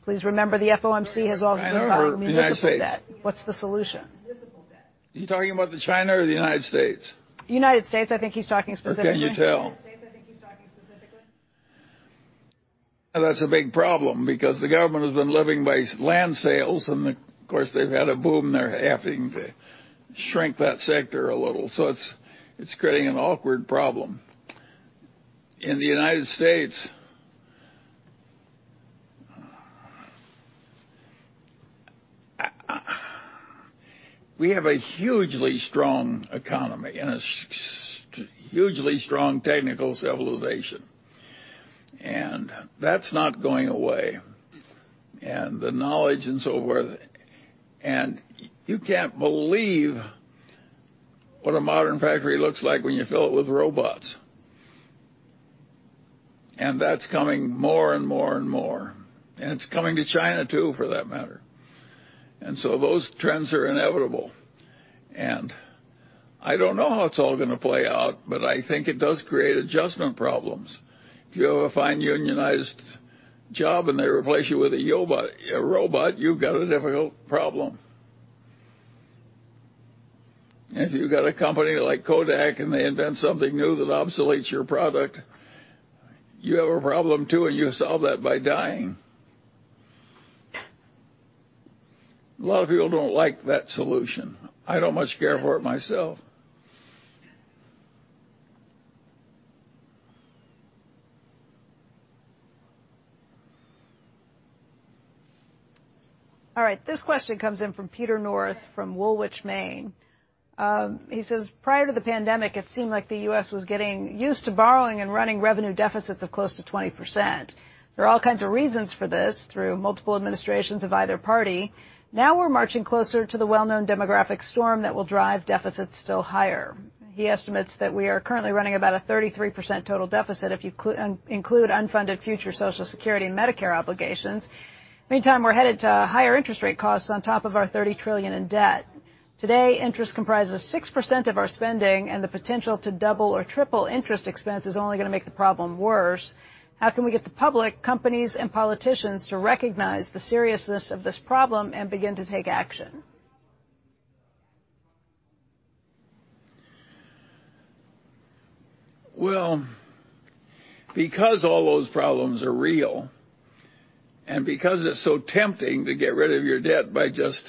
Please remember, the FOMC has also municipal debt. What's the solution? Is he talking about China or the United States? United States, I think he's talking specifically. Can you tell? United States, I think he's talking specifically. That's a big problem because the government has been living by land sales, and of course, they've had a boom. They're having to shrink that sector a little. It's, it's creating an awkward problem. In the United States, we have a hugely strong economy and a hugely strong technical civilization, and that's not going away. The knowledge and so forth. You can't believe what a modern factory looks like when you fill it with robots. That's coming more and more and more, and it's coming to China, too, for that matter. Those trends are inevitable. I don't know how it's all gonna play out, but I think it does create adjustment problems. If you have a fine unionized job, and they replace you with a robot, you've got a difficult problem. If you've got a company like Kodak and they invent something new that obsolesces your product, you have a problem, too, and you solve that by dying. A lot of people don't like that solution. I don't much care for it myself. All right, this question comes in from Peter North from Woolwich, Maine. He says, prior to the pandemic, it seemed like the U.S. was getting used to borrowing and running revenue deficits of close to 20%. There are all kinds of reasons for this through multiple administrations of either party. Now we're marching closer to the well-known demographic storm that will drive deficits still higher. He estimates that we are currently running about a 33% total deficit if you include unfunded future Social Security and Medicare obligations. Meantime, we're headed to higher interest rate costs on top of our $30 trillion in debt. Today, interest comprises 6% of our spending and the potential to double or triple interest expense is only gonna make the problem worse. How can we get the public, companies, and politicians to recognize the seriousness of this problem and begin to take action? Well, because all those problems are real, and because it's so tempting to get rid of your debt by just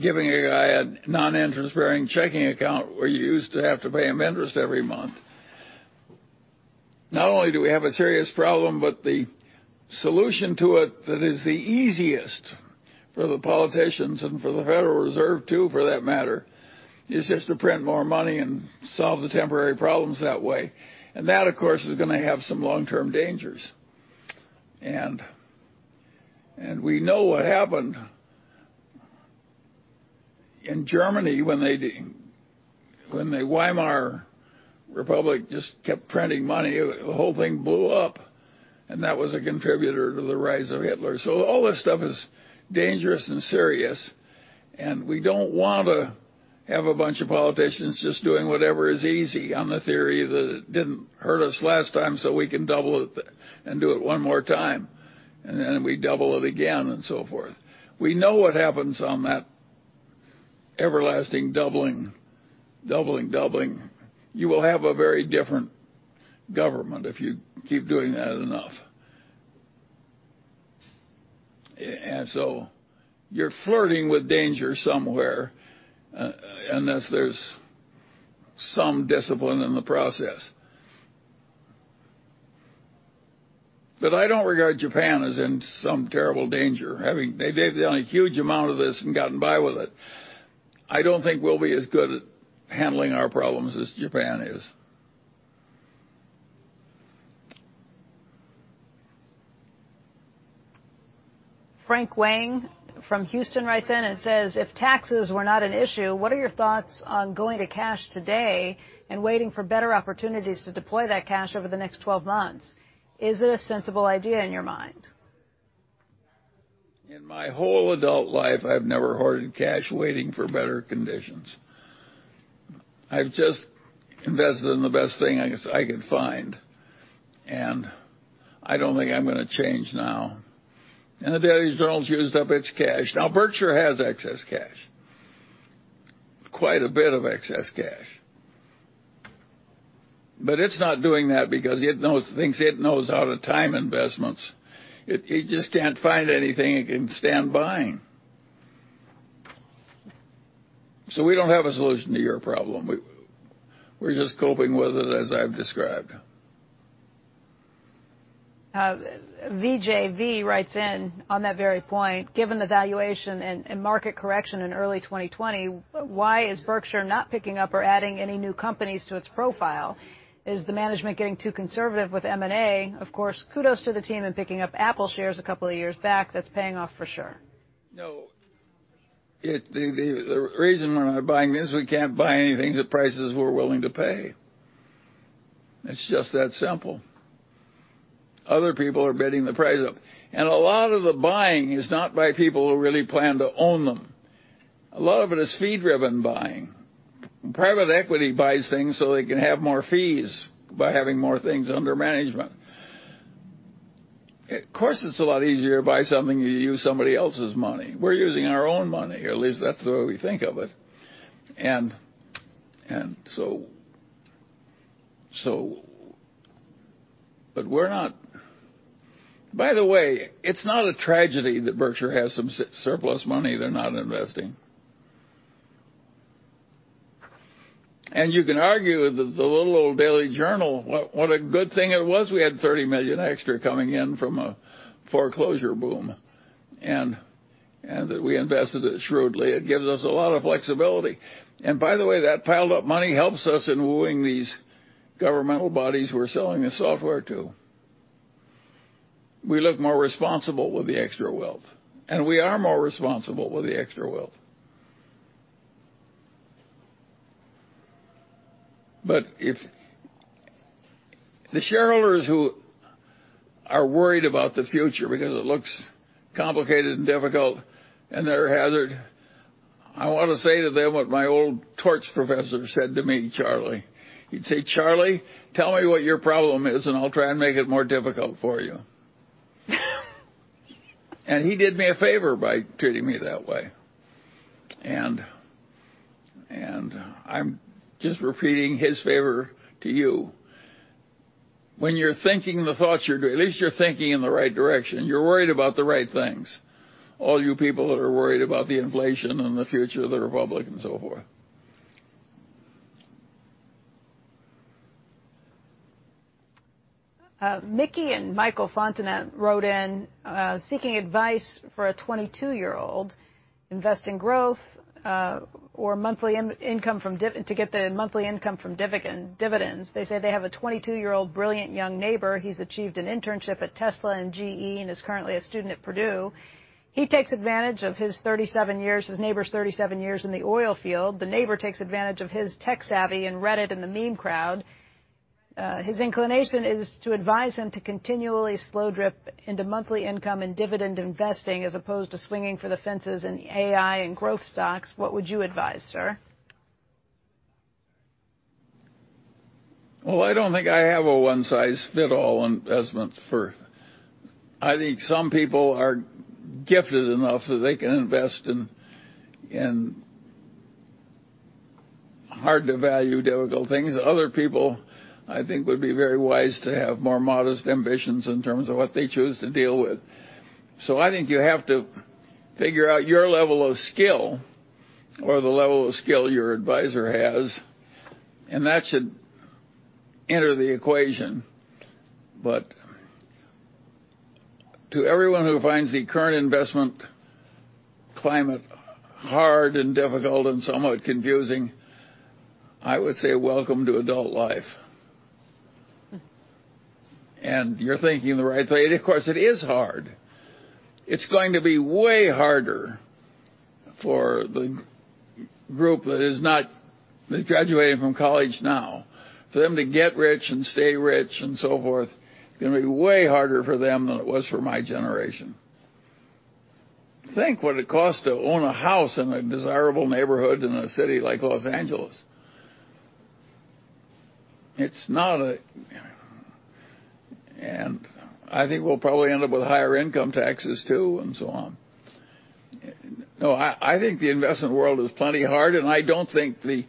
giving a guy a non-interest-bearing checking account where you used to have to pay him interest every month, not only do we have a serious problem, but the solution to it that is the easiest for the politicians and for the Federal Reserve, too, for that matter, is just to print more money and solve the temporary problems that way. That, of course, is gonna have some long-term dangers. We know what happened in Germany when the Weimar Republic just kept printing money. The whole thing blew up, and that was a contributor to the rise of Hitler. All this stuff is dangerous and serious, and we don't want to have a bunch of politicians just doing whatever is easy on the theory that it didn't hurt us last time, so we can double it and do it one more time, and then we double it again and so forth. We know what happens on that everlasting doubling. You will have a very different government if you keep doing that enough. You're flirting with danger somewhere, unless there's some discipline in the process. I don't regard Japan as in some terrible danger. They've done a huge amount of this and gotten by with it. I don't think we'll be as good at handling our problems as Japan is. Frank Wang from Houston writes in and says, if taxes were not an issue, what are your thoughts on going to cash today and waiting for better opportunities to deploy that cash over the next 12 months? Is it a sensible idea in your mind? In my whole adult life, I've never hoarded cash waiting for better conditions. I've just invested in the best thing I guess I could find, and I don't think I'm gonna change now. The Daily Journal's used up its cash. Now, Berkshire has excess cash, quite a bit of excess cash. It's not doing that because it knows things. It knows how to time investments. It just can't find anything it can stand buying. We don't have a solution to your problem. We're just coping with it as I've described. VJV writes in on that very point. Given the valuation and market correction in early 2020, why is Berkshire not picking up or adding any new companies to its profile? Is the management getting too conservative with M&A? Of course, kudos to the team in picking up Apple shares a couple of years back. That's paying off for sure. No. The reason we're not buying is we can't buy anything at prices we're willing to pay. It's just that simple. Other people are bidding the price up. A lot of the buying is not by people who really plan to own them. A lot of it is fee-driven buying. Private equity buys things so they can have more fees by having more things under management. Of course, it's a lot easier to buy something you use somebody else's money. We're using our own money, or at least that's the way we think of it. But we're not. By the way, it's not a tragedy that Berkshire has some surplus money they're not investing. You can argue that the little old Daily Journal, what a good thing it was we had $30 million extra coming in from a foreclosure boom, and that we invested it shrewdly. It gives us a lot of flexibility. By the way, that piled up money helps us in wooing these governmental bodies we're selling the software to. We look more responsible with the extra wealth, and we are more responsible with the extra wealth. If the shareholders who are worried about the future because it looks complicated and difficult and they're hazarding, I wanna say to them what my old torts professor said to me, Charlie. He'd say, "Charlie, tell me what your problem is, and I'll try and make it more difficult for you." He did me a favor by treating me that way. I'm just repeating his favor to you. When you're thinking the thoughts you're at least you're thinking in the right direction. You're worried about the right things, all you people that are worried about the inflation and the future of the Republic and so forth. Mickey and Michael Fontanet wrote in seeking advice for a 22-year-old. Invest in growth or monthly income from dividends. They say they have a 22-year-old brilliant young neighbor. He's achieved an internship at Tesla and GE and is currently a student at Purdue. He takes advantage of his 37 years, his neighbor's 37 years in the oil field. The neighbor takes advantage of his tech savvy and Reddit and the meme crowd. His inclination is to advise him to continually slow drip into monthly income and dividend investing as opposed to swinging for the fences in AI and growth stocks. What would you advise, sir? Well, I don't think I have a one-size-fits-all investment for. I think some people are gifted enough so they can invest in hard-to-value difficult things. Other people, I think, would be very wise to have more modest ambitions in terms of what they choose to deal with. I think you have to figure out your level of skill or the level of skill your advisor has, and that should enter the equation. To everyone who finds the current investment climate hard and difficult and somewhat confusing, I would say welcome to adult life. You're thinking the right way. Of course it is hard. It's going to be way harder for the group that's graduating from college now. For them to get rich and stay rich and so forth, it's gonna be way harder for them than it was for my generation. Think what it costs to own a house in a desirable neighborhood in a city like Los Angeles. I think we'll probably end up with higher income taxes, too, and so on. No, I think the investment world is plenty hard. In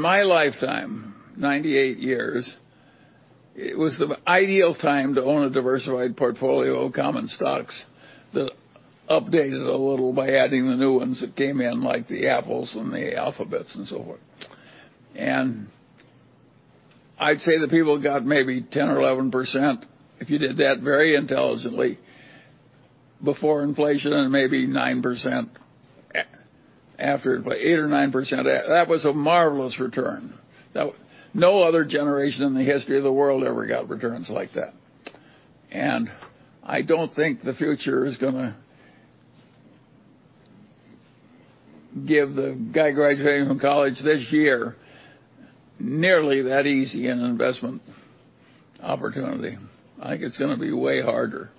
my lifetime, 98 years, it was the ideal time to own a diversified portfolio of common stocks that updated a little by adding the new ones that came in, like the Apple and the Alphabet and so forth. I'd say the people got maybe 10% or 11%, if you did that very intelligently before inflation and maybe 9% after it, 8% or 9%. That was a marvelous return. Now, no other generation in the history of the world ever got returns like that. I don't think the future is gonna give the guy graduating from college this year nearly that easy an investment opportunity. I think it's gonna be way harder.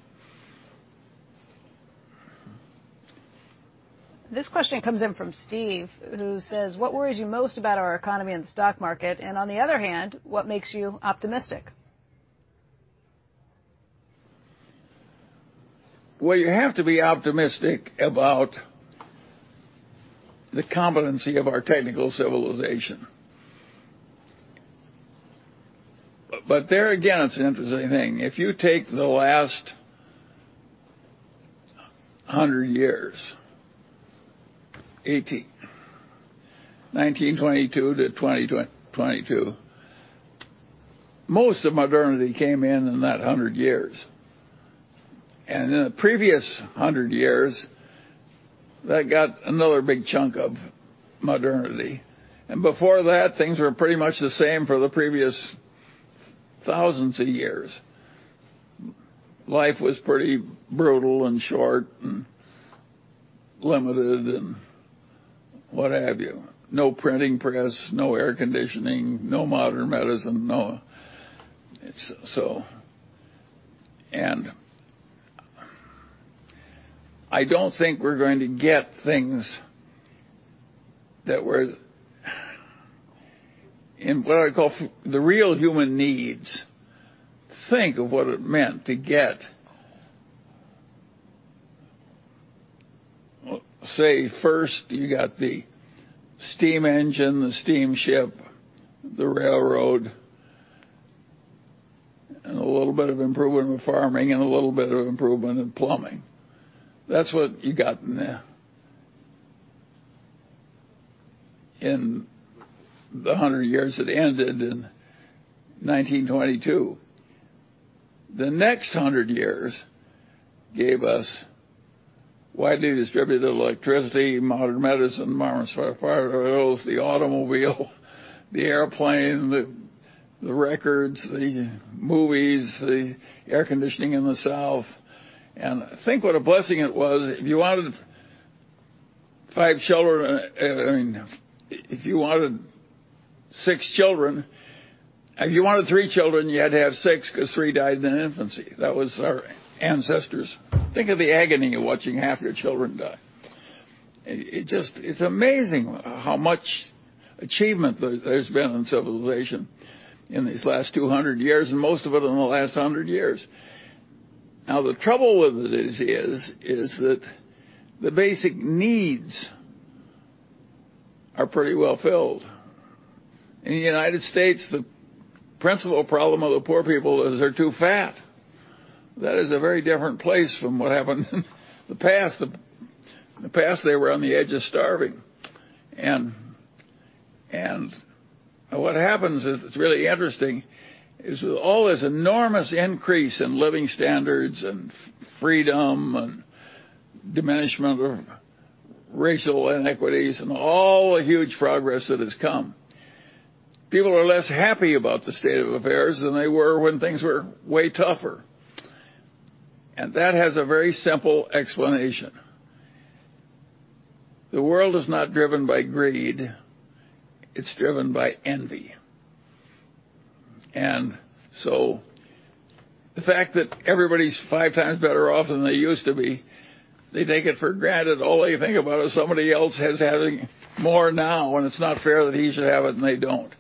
This question comes in from Steve, who says, "What worries you most about our economy and stock market? And on the other hand, what makes you optimistic? Well, you have to be optimistic about the competency of our technical civilization. But there again, it's an interesting thing. If you take the last 100 years, 1922 to 2022, most of modernity came in in that 100 years. In the previous 100 years, that got another big chunk of modernity. Before that, things were pretty much the same for the previous thousands of years. Life was pretty brutal and short and limited and what have you. No printing press, no air conditioning, no modern medicine, no. I don't think we're going to get things that were in what I call the real human needs. Think of what it meant to get. Say first you got the steam engine, the steamship, the railroad, and a little bit of improvement with farming and a little bit of improvement in plumbing. That's what you got in the 100 years that ended in 1922. The next 100 years gave us widely distributed electricity, modern medicine, modern fire drills, the automobile, the airplane, the records, the movies, the air conditioning in the South. Think what a blessing it was if you wanted five children, I mean, if you wanted six children. If you wanted three children, you had to have six 'cause three died in infancy. That was our ancestors. Think of the agony of watching half your children die. It just, it's amazing how much achievement there's been in civilization in these last 200 years, and most of it in the last 100 years. The trouble with it is that the basic needs are pretty well filled. In the United States, the principal problem of the poor people is they're too fat. That is a very different place from what happened in the past. The past, they were on the edge of starving. What happens is, it's really interesting with all this enormous increase in living standards and freedom and diminishment of racial inequities and all the huge progress that has come, people are less happy about the state of affairs than they were when things were way tougher. That has a very simple explanation. The world is not driven by greed, it's driven by envy. The fact that everybody's five times better off than they used to be, they take it for granted. All they think about is somebody else is having more now, and it's not fair that he should have it and they don't.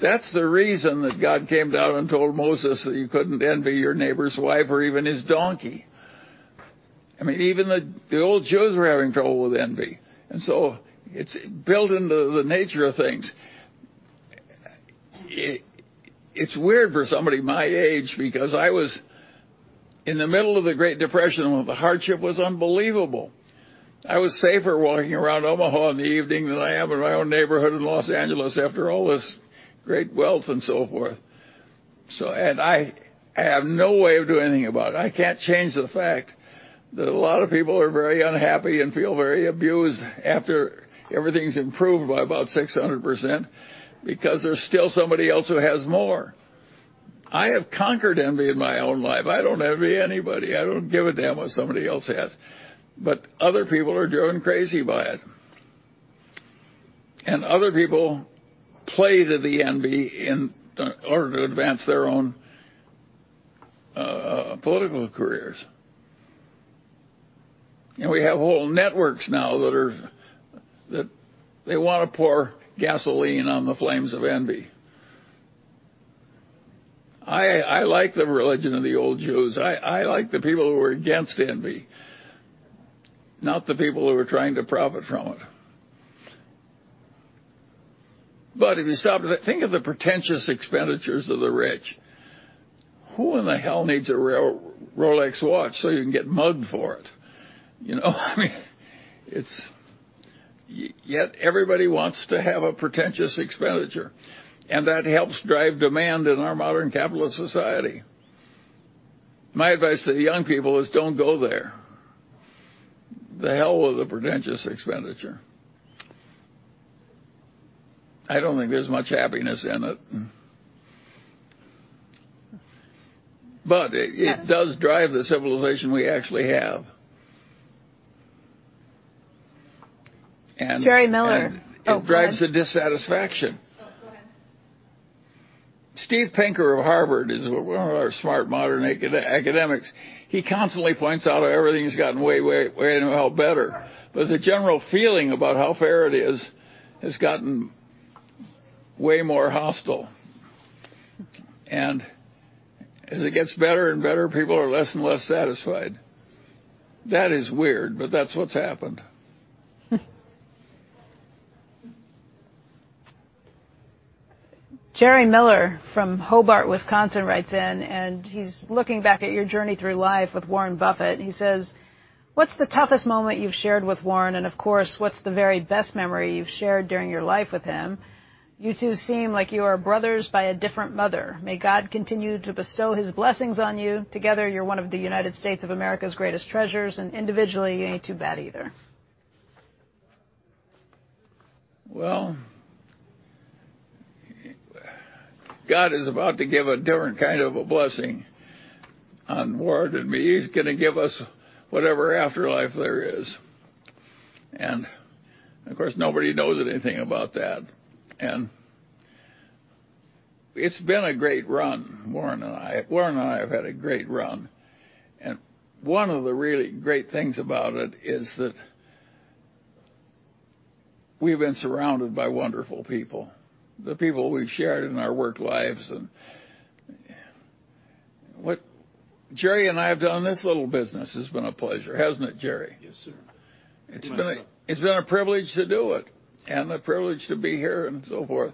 That's the reason that God came down and told Moses that you couldn't envy your neighbor's wife or even his donkey. I mean, even the old Jews were having trouble with envy, and so it's built into the nature of things. It's weird for somebody my age because I was in the middle of the Great Depression when the hardship was unbelievable. I was safer walking around Omaha in the evening than I am in my own neighborhood in Los Angeles after all this great wealth and so forth. I have no way of doing anything about it. I can't change the fact that a lot of people are very unhappy and feel very abused after everything's improved by about 600% because there's still somebody else who has more. I have conquered envy in my own life. I don't envy anybody. I don't give a damn what somebody else has. Other people are driven crazy by it. Other people play to the envy in order to advance their own political careers. We have whole networks now that are that they wanna pour gasoline on the flames of envy. I like the religion of the old Jews. I like the people who are against envy, not the people who are trying to profit from it. If you stop to think of the pretentious expenditures of the rich, who in the hell needs a Rolex watch so you can get mugged for it? You know I mean, it's yet everybody wants to have a pretentious expenditure, and that helps drive demand in our modern capitalist society. My advice to the young people is don't go there. The hell with the pretentious expenditure. I don't think there's much happiness in it. Uh- It does drive the civilization we actually have. Jerry Miller It drives the dissatisfaction. Oh, go ahead. Steven Pinker of Harvard is one of our smart modern academics. He constantly points out how everything's gotten way, way the hell better. The general feeling about how fair it is has gotten way more hostile. As it gets better and better, people are less and less satisfied. That is weird, but that's what's happened. Jerry Miller from Hobart, Wisconsin, writes in, and he's looking back at your journey through life with Warren Buffett. He says, "What's the toughest moment you've shared with Warren, and of course, what's the very best memory you've shared during your life with him? You two seem like you are brothers by a different mother. May God continue to bestow His blessings on you. Together, you're one of the United States of America's greatest treasures, and individually, you ain't too bad either. Well, God is about to give a different kind of a blessing on Warren and me. He's gonna give us whatever afterlife there is. Of course, nobody knows anything about that. It's been a great run, Warren and I. Warren and I have had a great run, and one of the really great things about it is that we've been surrounded by wonderful people, the people we've shared in our work lives and what Jerry and I have done. This little business has been a pleasure, hasn't it, Jerry? Yes, sir. It's been a privilege to do it and a privilege to be here and so forth.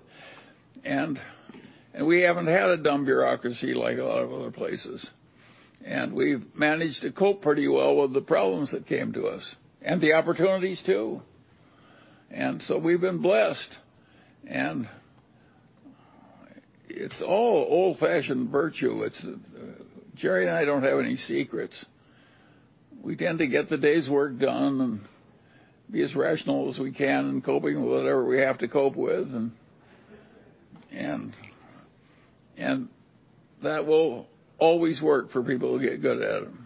We haven't had a dumb bureaucracy like a lot of other places. We've managed to cope pretty well with the problems that came to us and the opportunities too. We've been blessed. It's all old-fashioned virtue. Jerry and I don't have any secrets. We tend to get the day's work done and be as rational as we can in coping with whatever we have to cope with. That will always work for people who get good at them.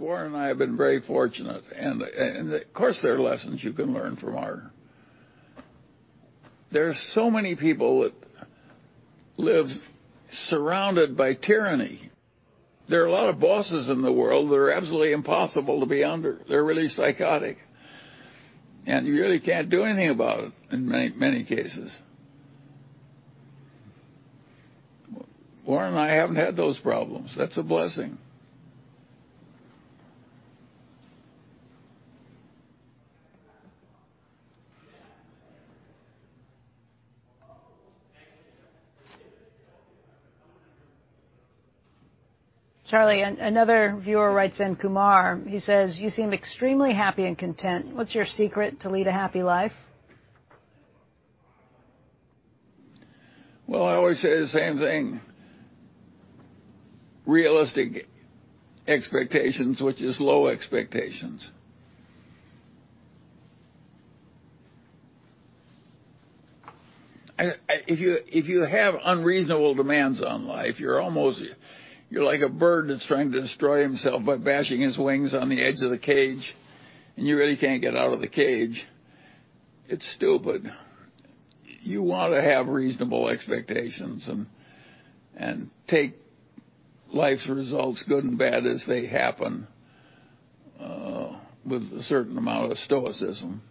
Warren and I have been very fortunate and, of course, there are lessons you can learn from our. There are so many people that live surrounded by tyranny. There are a lot of bosses in the world that are absolutely impossible to be under. They're really psychotic, and you really can't do anything about it in many, many cases. Warren and I haven't had those problems. That's a blessing. Charlie, another viewer writes in, Kumar. He says, "You seem extremely happy and content. What's your secret to lead a happy life? Well, I always say the same thing. Realistic expectations, which is low expectations. If you have unreasonable demands on life, you're like a bird that's trying to destroy himself by bashing his wings on the edge of the cage, and you really can't get out of the cage. It's stupid. You want to have reasonable expectations and take life's results good and bad as they happen, with a certain amount of stoicism.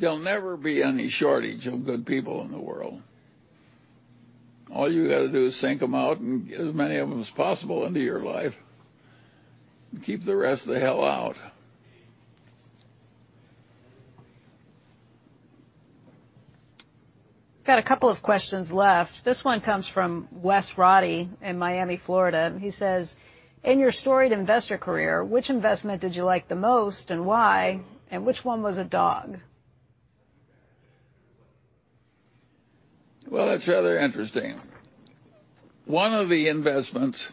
There'll never be any shortage of good people in the world. All you gotta do is seek them out and get as many of them as possible into your life and keep the rest the hell out. Got a couple of questions left. This one comes from Wes Roddy in Miami, Florida. He says, "In your storied investor career, which investment did you like the most and why? And which one was a dog? Well, that's rather interesting. One of the investments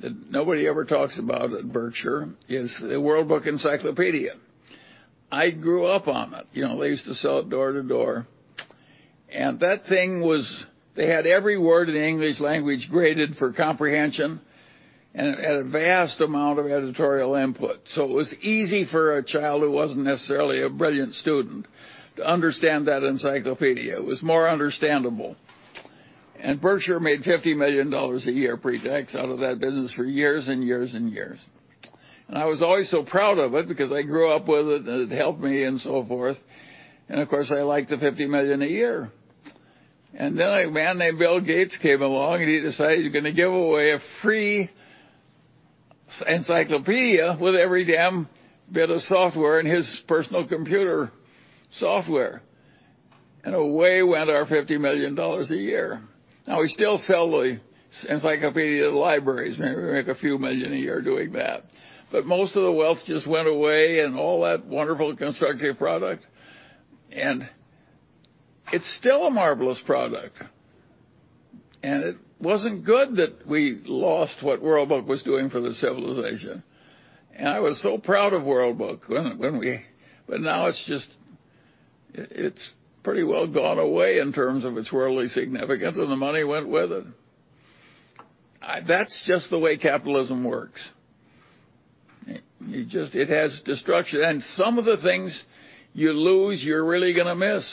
that nobody ever talks about at Berkshire is the World Book Encyclopedia. I grew up on it. You know, they used to sell it door to door. That thing was they had every word in the English language graded for comprehension and a vast amount of editorial input. It was easy for a child who wasn't necessarily a brilliant student to understand that encyclopedia. It was more understandable. Berkshire made $50 million a year pre-tax out of that business for years and years and years. I was always so proud of it because I grew up with it and it helped me and so forth. Of course, I liked the $50 million a year. Then a man named Bill Gates came along, and he decided he's gonna give away a free encyclopedia with every damn bit of software in his personal computer software. Away went our $50 million a year. Now, we still sell the encyclopedia to libraries. Maybe we make a few million a year doing that. Most of the wealth just went away and all that wonderful constructive product. It's still a marvelous product. It wasn't good that we lost what World Book was doing for the civilization. I was so proud of World Book when we. Now it's just, it's pretty well gone away in terms of its worldly significance, and the money went with it. That's just the way capitalism works. It just has destruction. Some of the things you lose, you're really gonna miss,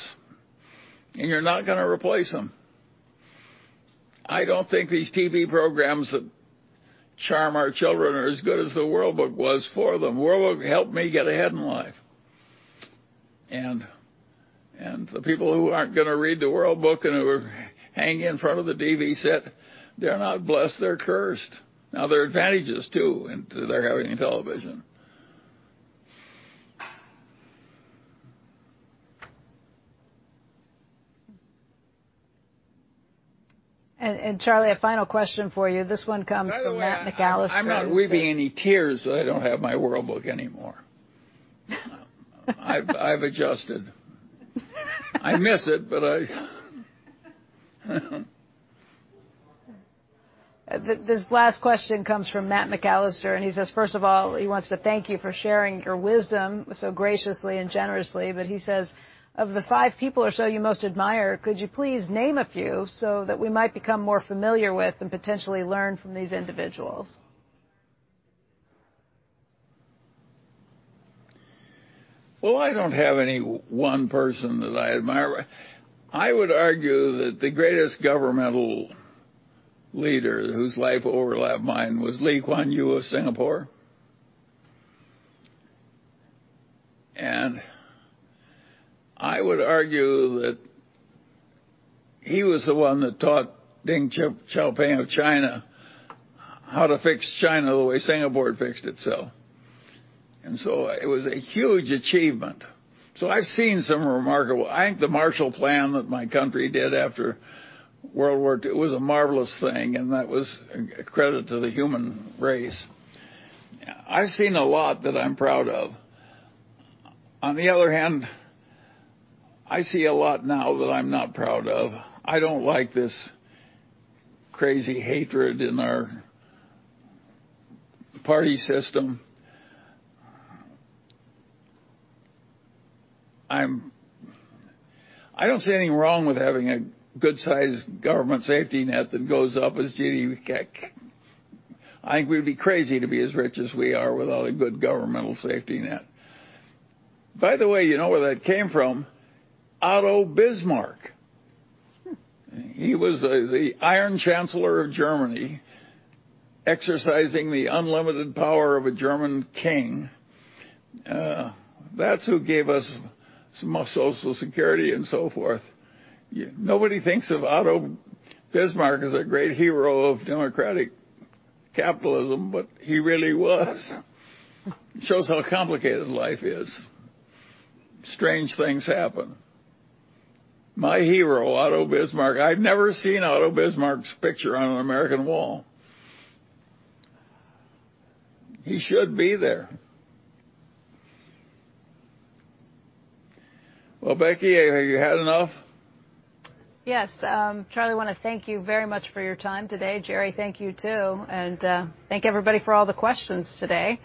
and you're not gonna replace them. I don't think these TV programs that charm our children are as good as the World Book was for them. World Book helped me get ahead in life. The people who aren't gonna read the World Book and who are hanging in front of the TV set, they're not blessed, they're cursed. Now, there are advantages, too, in to their having a television. Charlie, a final question for you. This one comes from Matt McAllister. By the way, I'm not weeping any tears that I don't have my World Book anymore. I've adjusted. I miss it, but I. This last question comes from Matt McAllister, and he says, first of all, he wants to thank you for sharing your wisdom so graciously and generously. He says, "Of the five people or so you most admire, could you please name a few so that we might become more familiar with and potentially learn from these individuals? Well, I don't have any one person that I admire. I would argue that the greatest governmental leader whose life overlapped mine was Lee Kuan Yew of Singapore. I would argue that he was the one that taught Deng Xiaoping of China how to fix China the way Singapore had fixed itself. It was a huge achievement. I've seen some remarkable. I think the Marshall Plan that my country did after World War II was a marvelous thing, and that was a credit to the human race. I've seen a lot that I'm proud of. On the other hand, I see a lot now that I'm not proud of. I don't like this crazy hatred in our party system. I don't see anything wrong with having a good-sized government safety net that goes up as GDP ca. I think we'd be crazy to be as rich as we are without a good governmental safety net. By the way, you know where that came from? Otto von Bismarck. Hmm. He was the Iron Chancellor of Germany, exercising the unlimited power of a German king. That's who gave us some of Social Security and so forth. Nobody thinks of Otto Bismarck as a great hero of democratic capitalism, but he really was. Shows how complicated life is. Strange things happen. My hero, Otto Bismarck. I've never seen Otto Bismarck's picture on an American wall. He should be there. Well, Becky, have you had enough? Yes. Charlie, wanna thank you very much for your time today. Jerry, thank you, too. Thank everybody for all the questions today.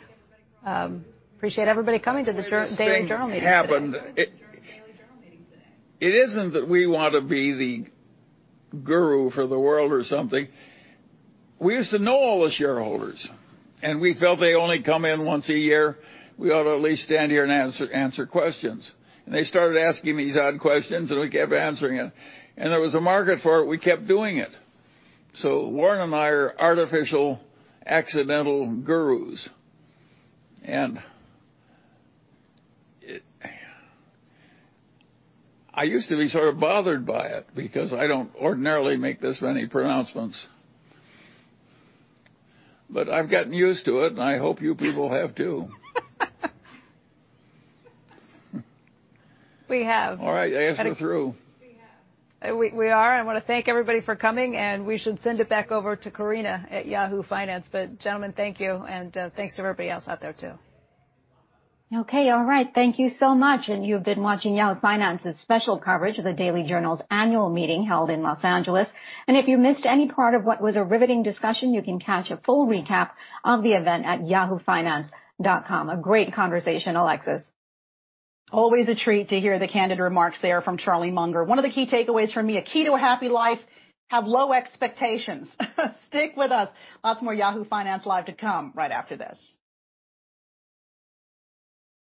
Appreciate everybody coming to the Daily Journal meeting today. This thing happened. Daily Journal meeting today. It isn't that we want to be the guru for the world or something. We used to know all the shareholders, and we felt they only come in once a year. We ought to at least stand here and answer questions. They started asking these odd questions, and we kept answering it. There was a market for it. We kept doing it. Warren and I are artificial, accidental gurus, and it. I used to be sort of bothered by it because I don't ordinarily make this many pronouncements. I've gotten used to it, and I hope you people have, too. We have. All right. I guess we're through. We are. I wanna thank everybody for coming, and we should send it back over to Corina at Yahoo Finance. Gentlemen, thank you, and thanks to everybody else out there, too. Okay. All right. Thank you so much. You've been watching Yahoo Finance's special coverage of the Daily Journal's annual meeting held in Los Angeles. If you missed any part of what was a riveting discussion, you can catch a full recap of the event at yahoofinance.com. A great conversation, Alexis. Always a treat to hear the candid remarks there from Charlie Munger. One of the key takeaways for me, a key to a happy life, have low expectations. Stick with us. Lots more Yahoo Finance Live to come right after this.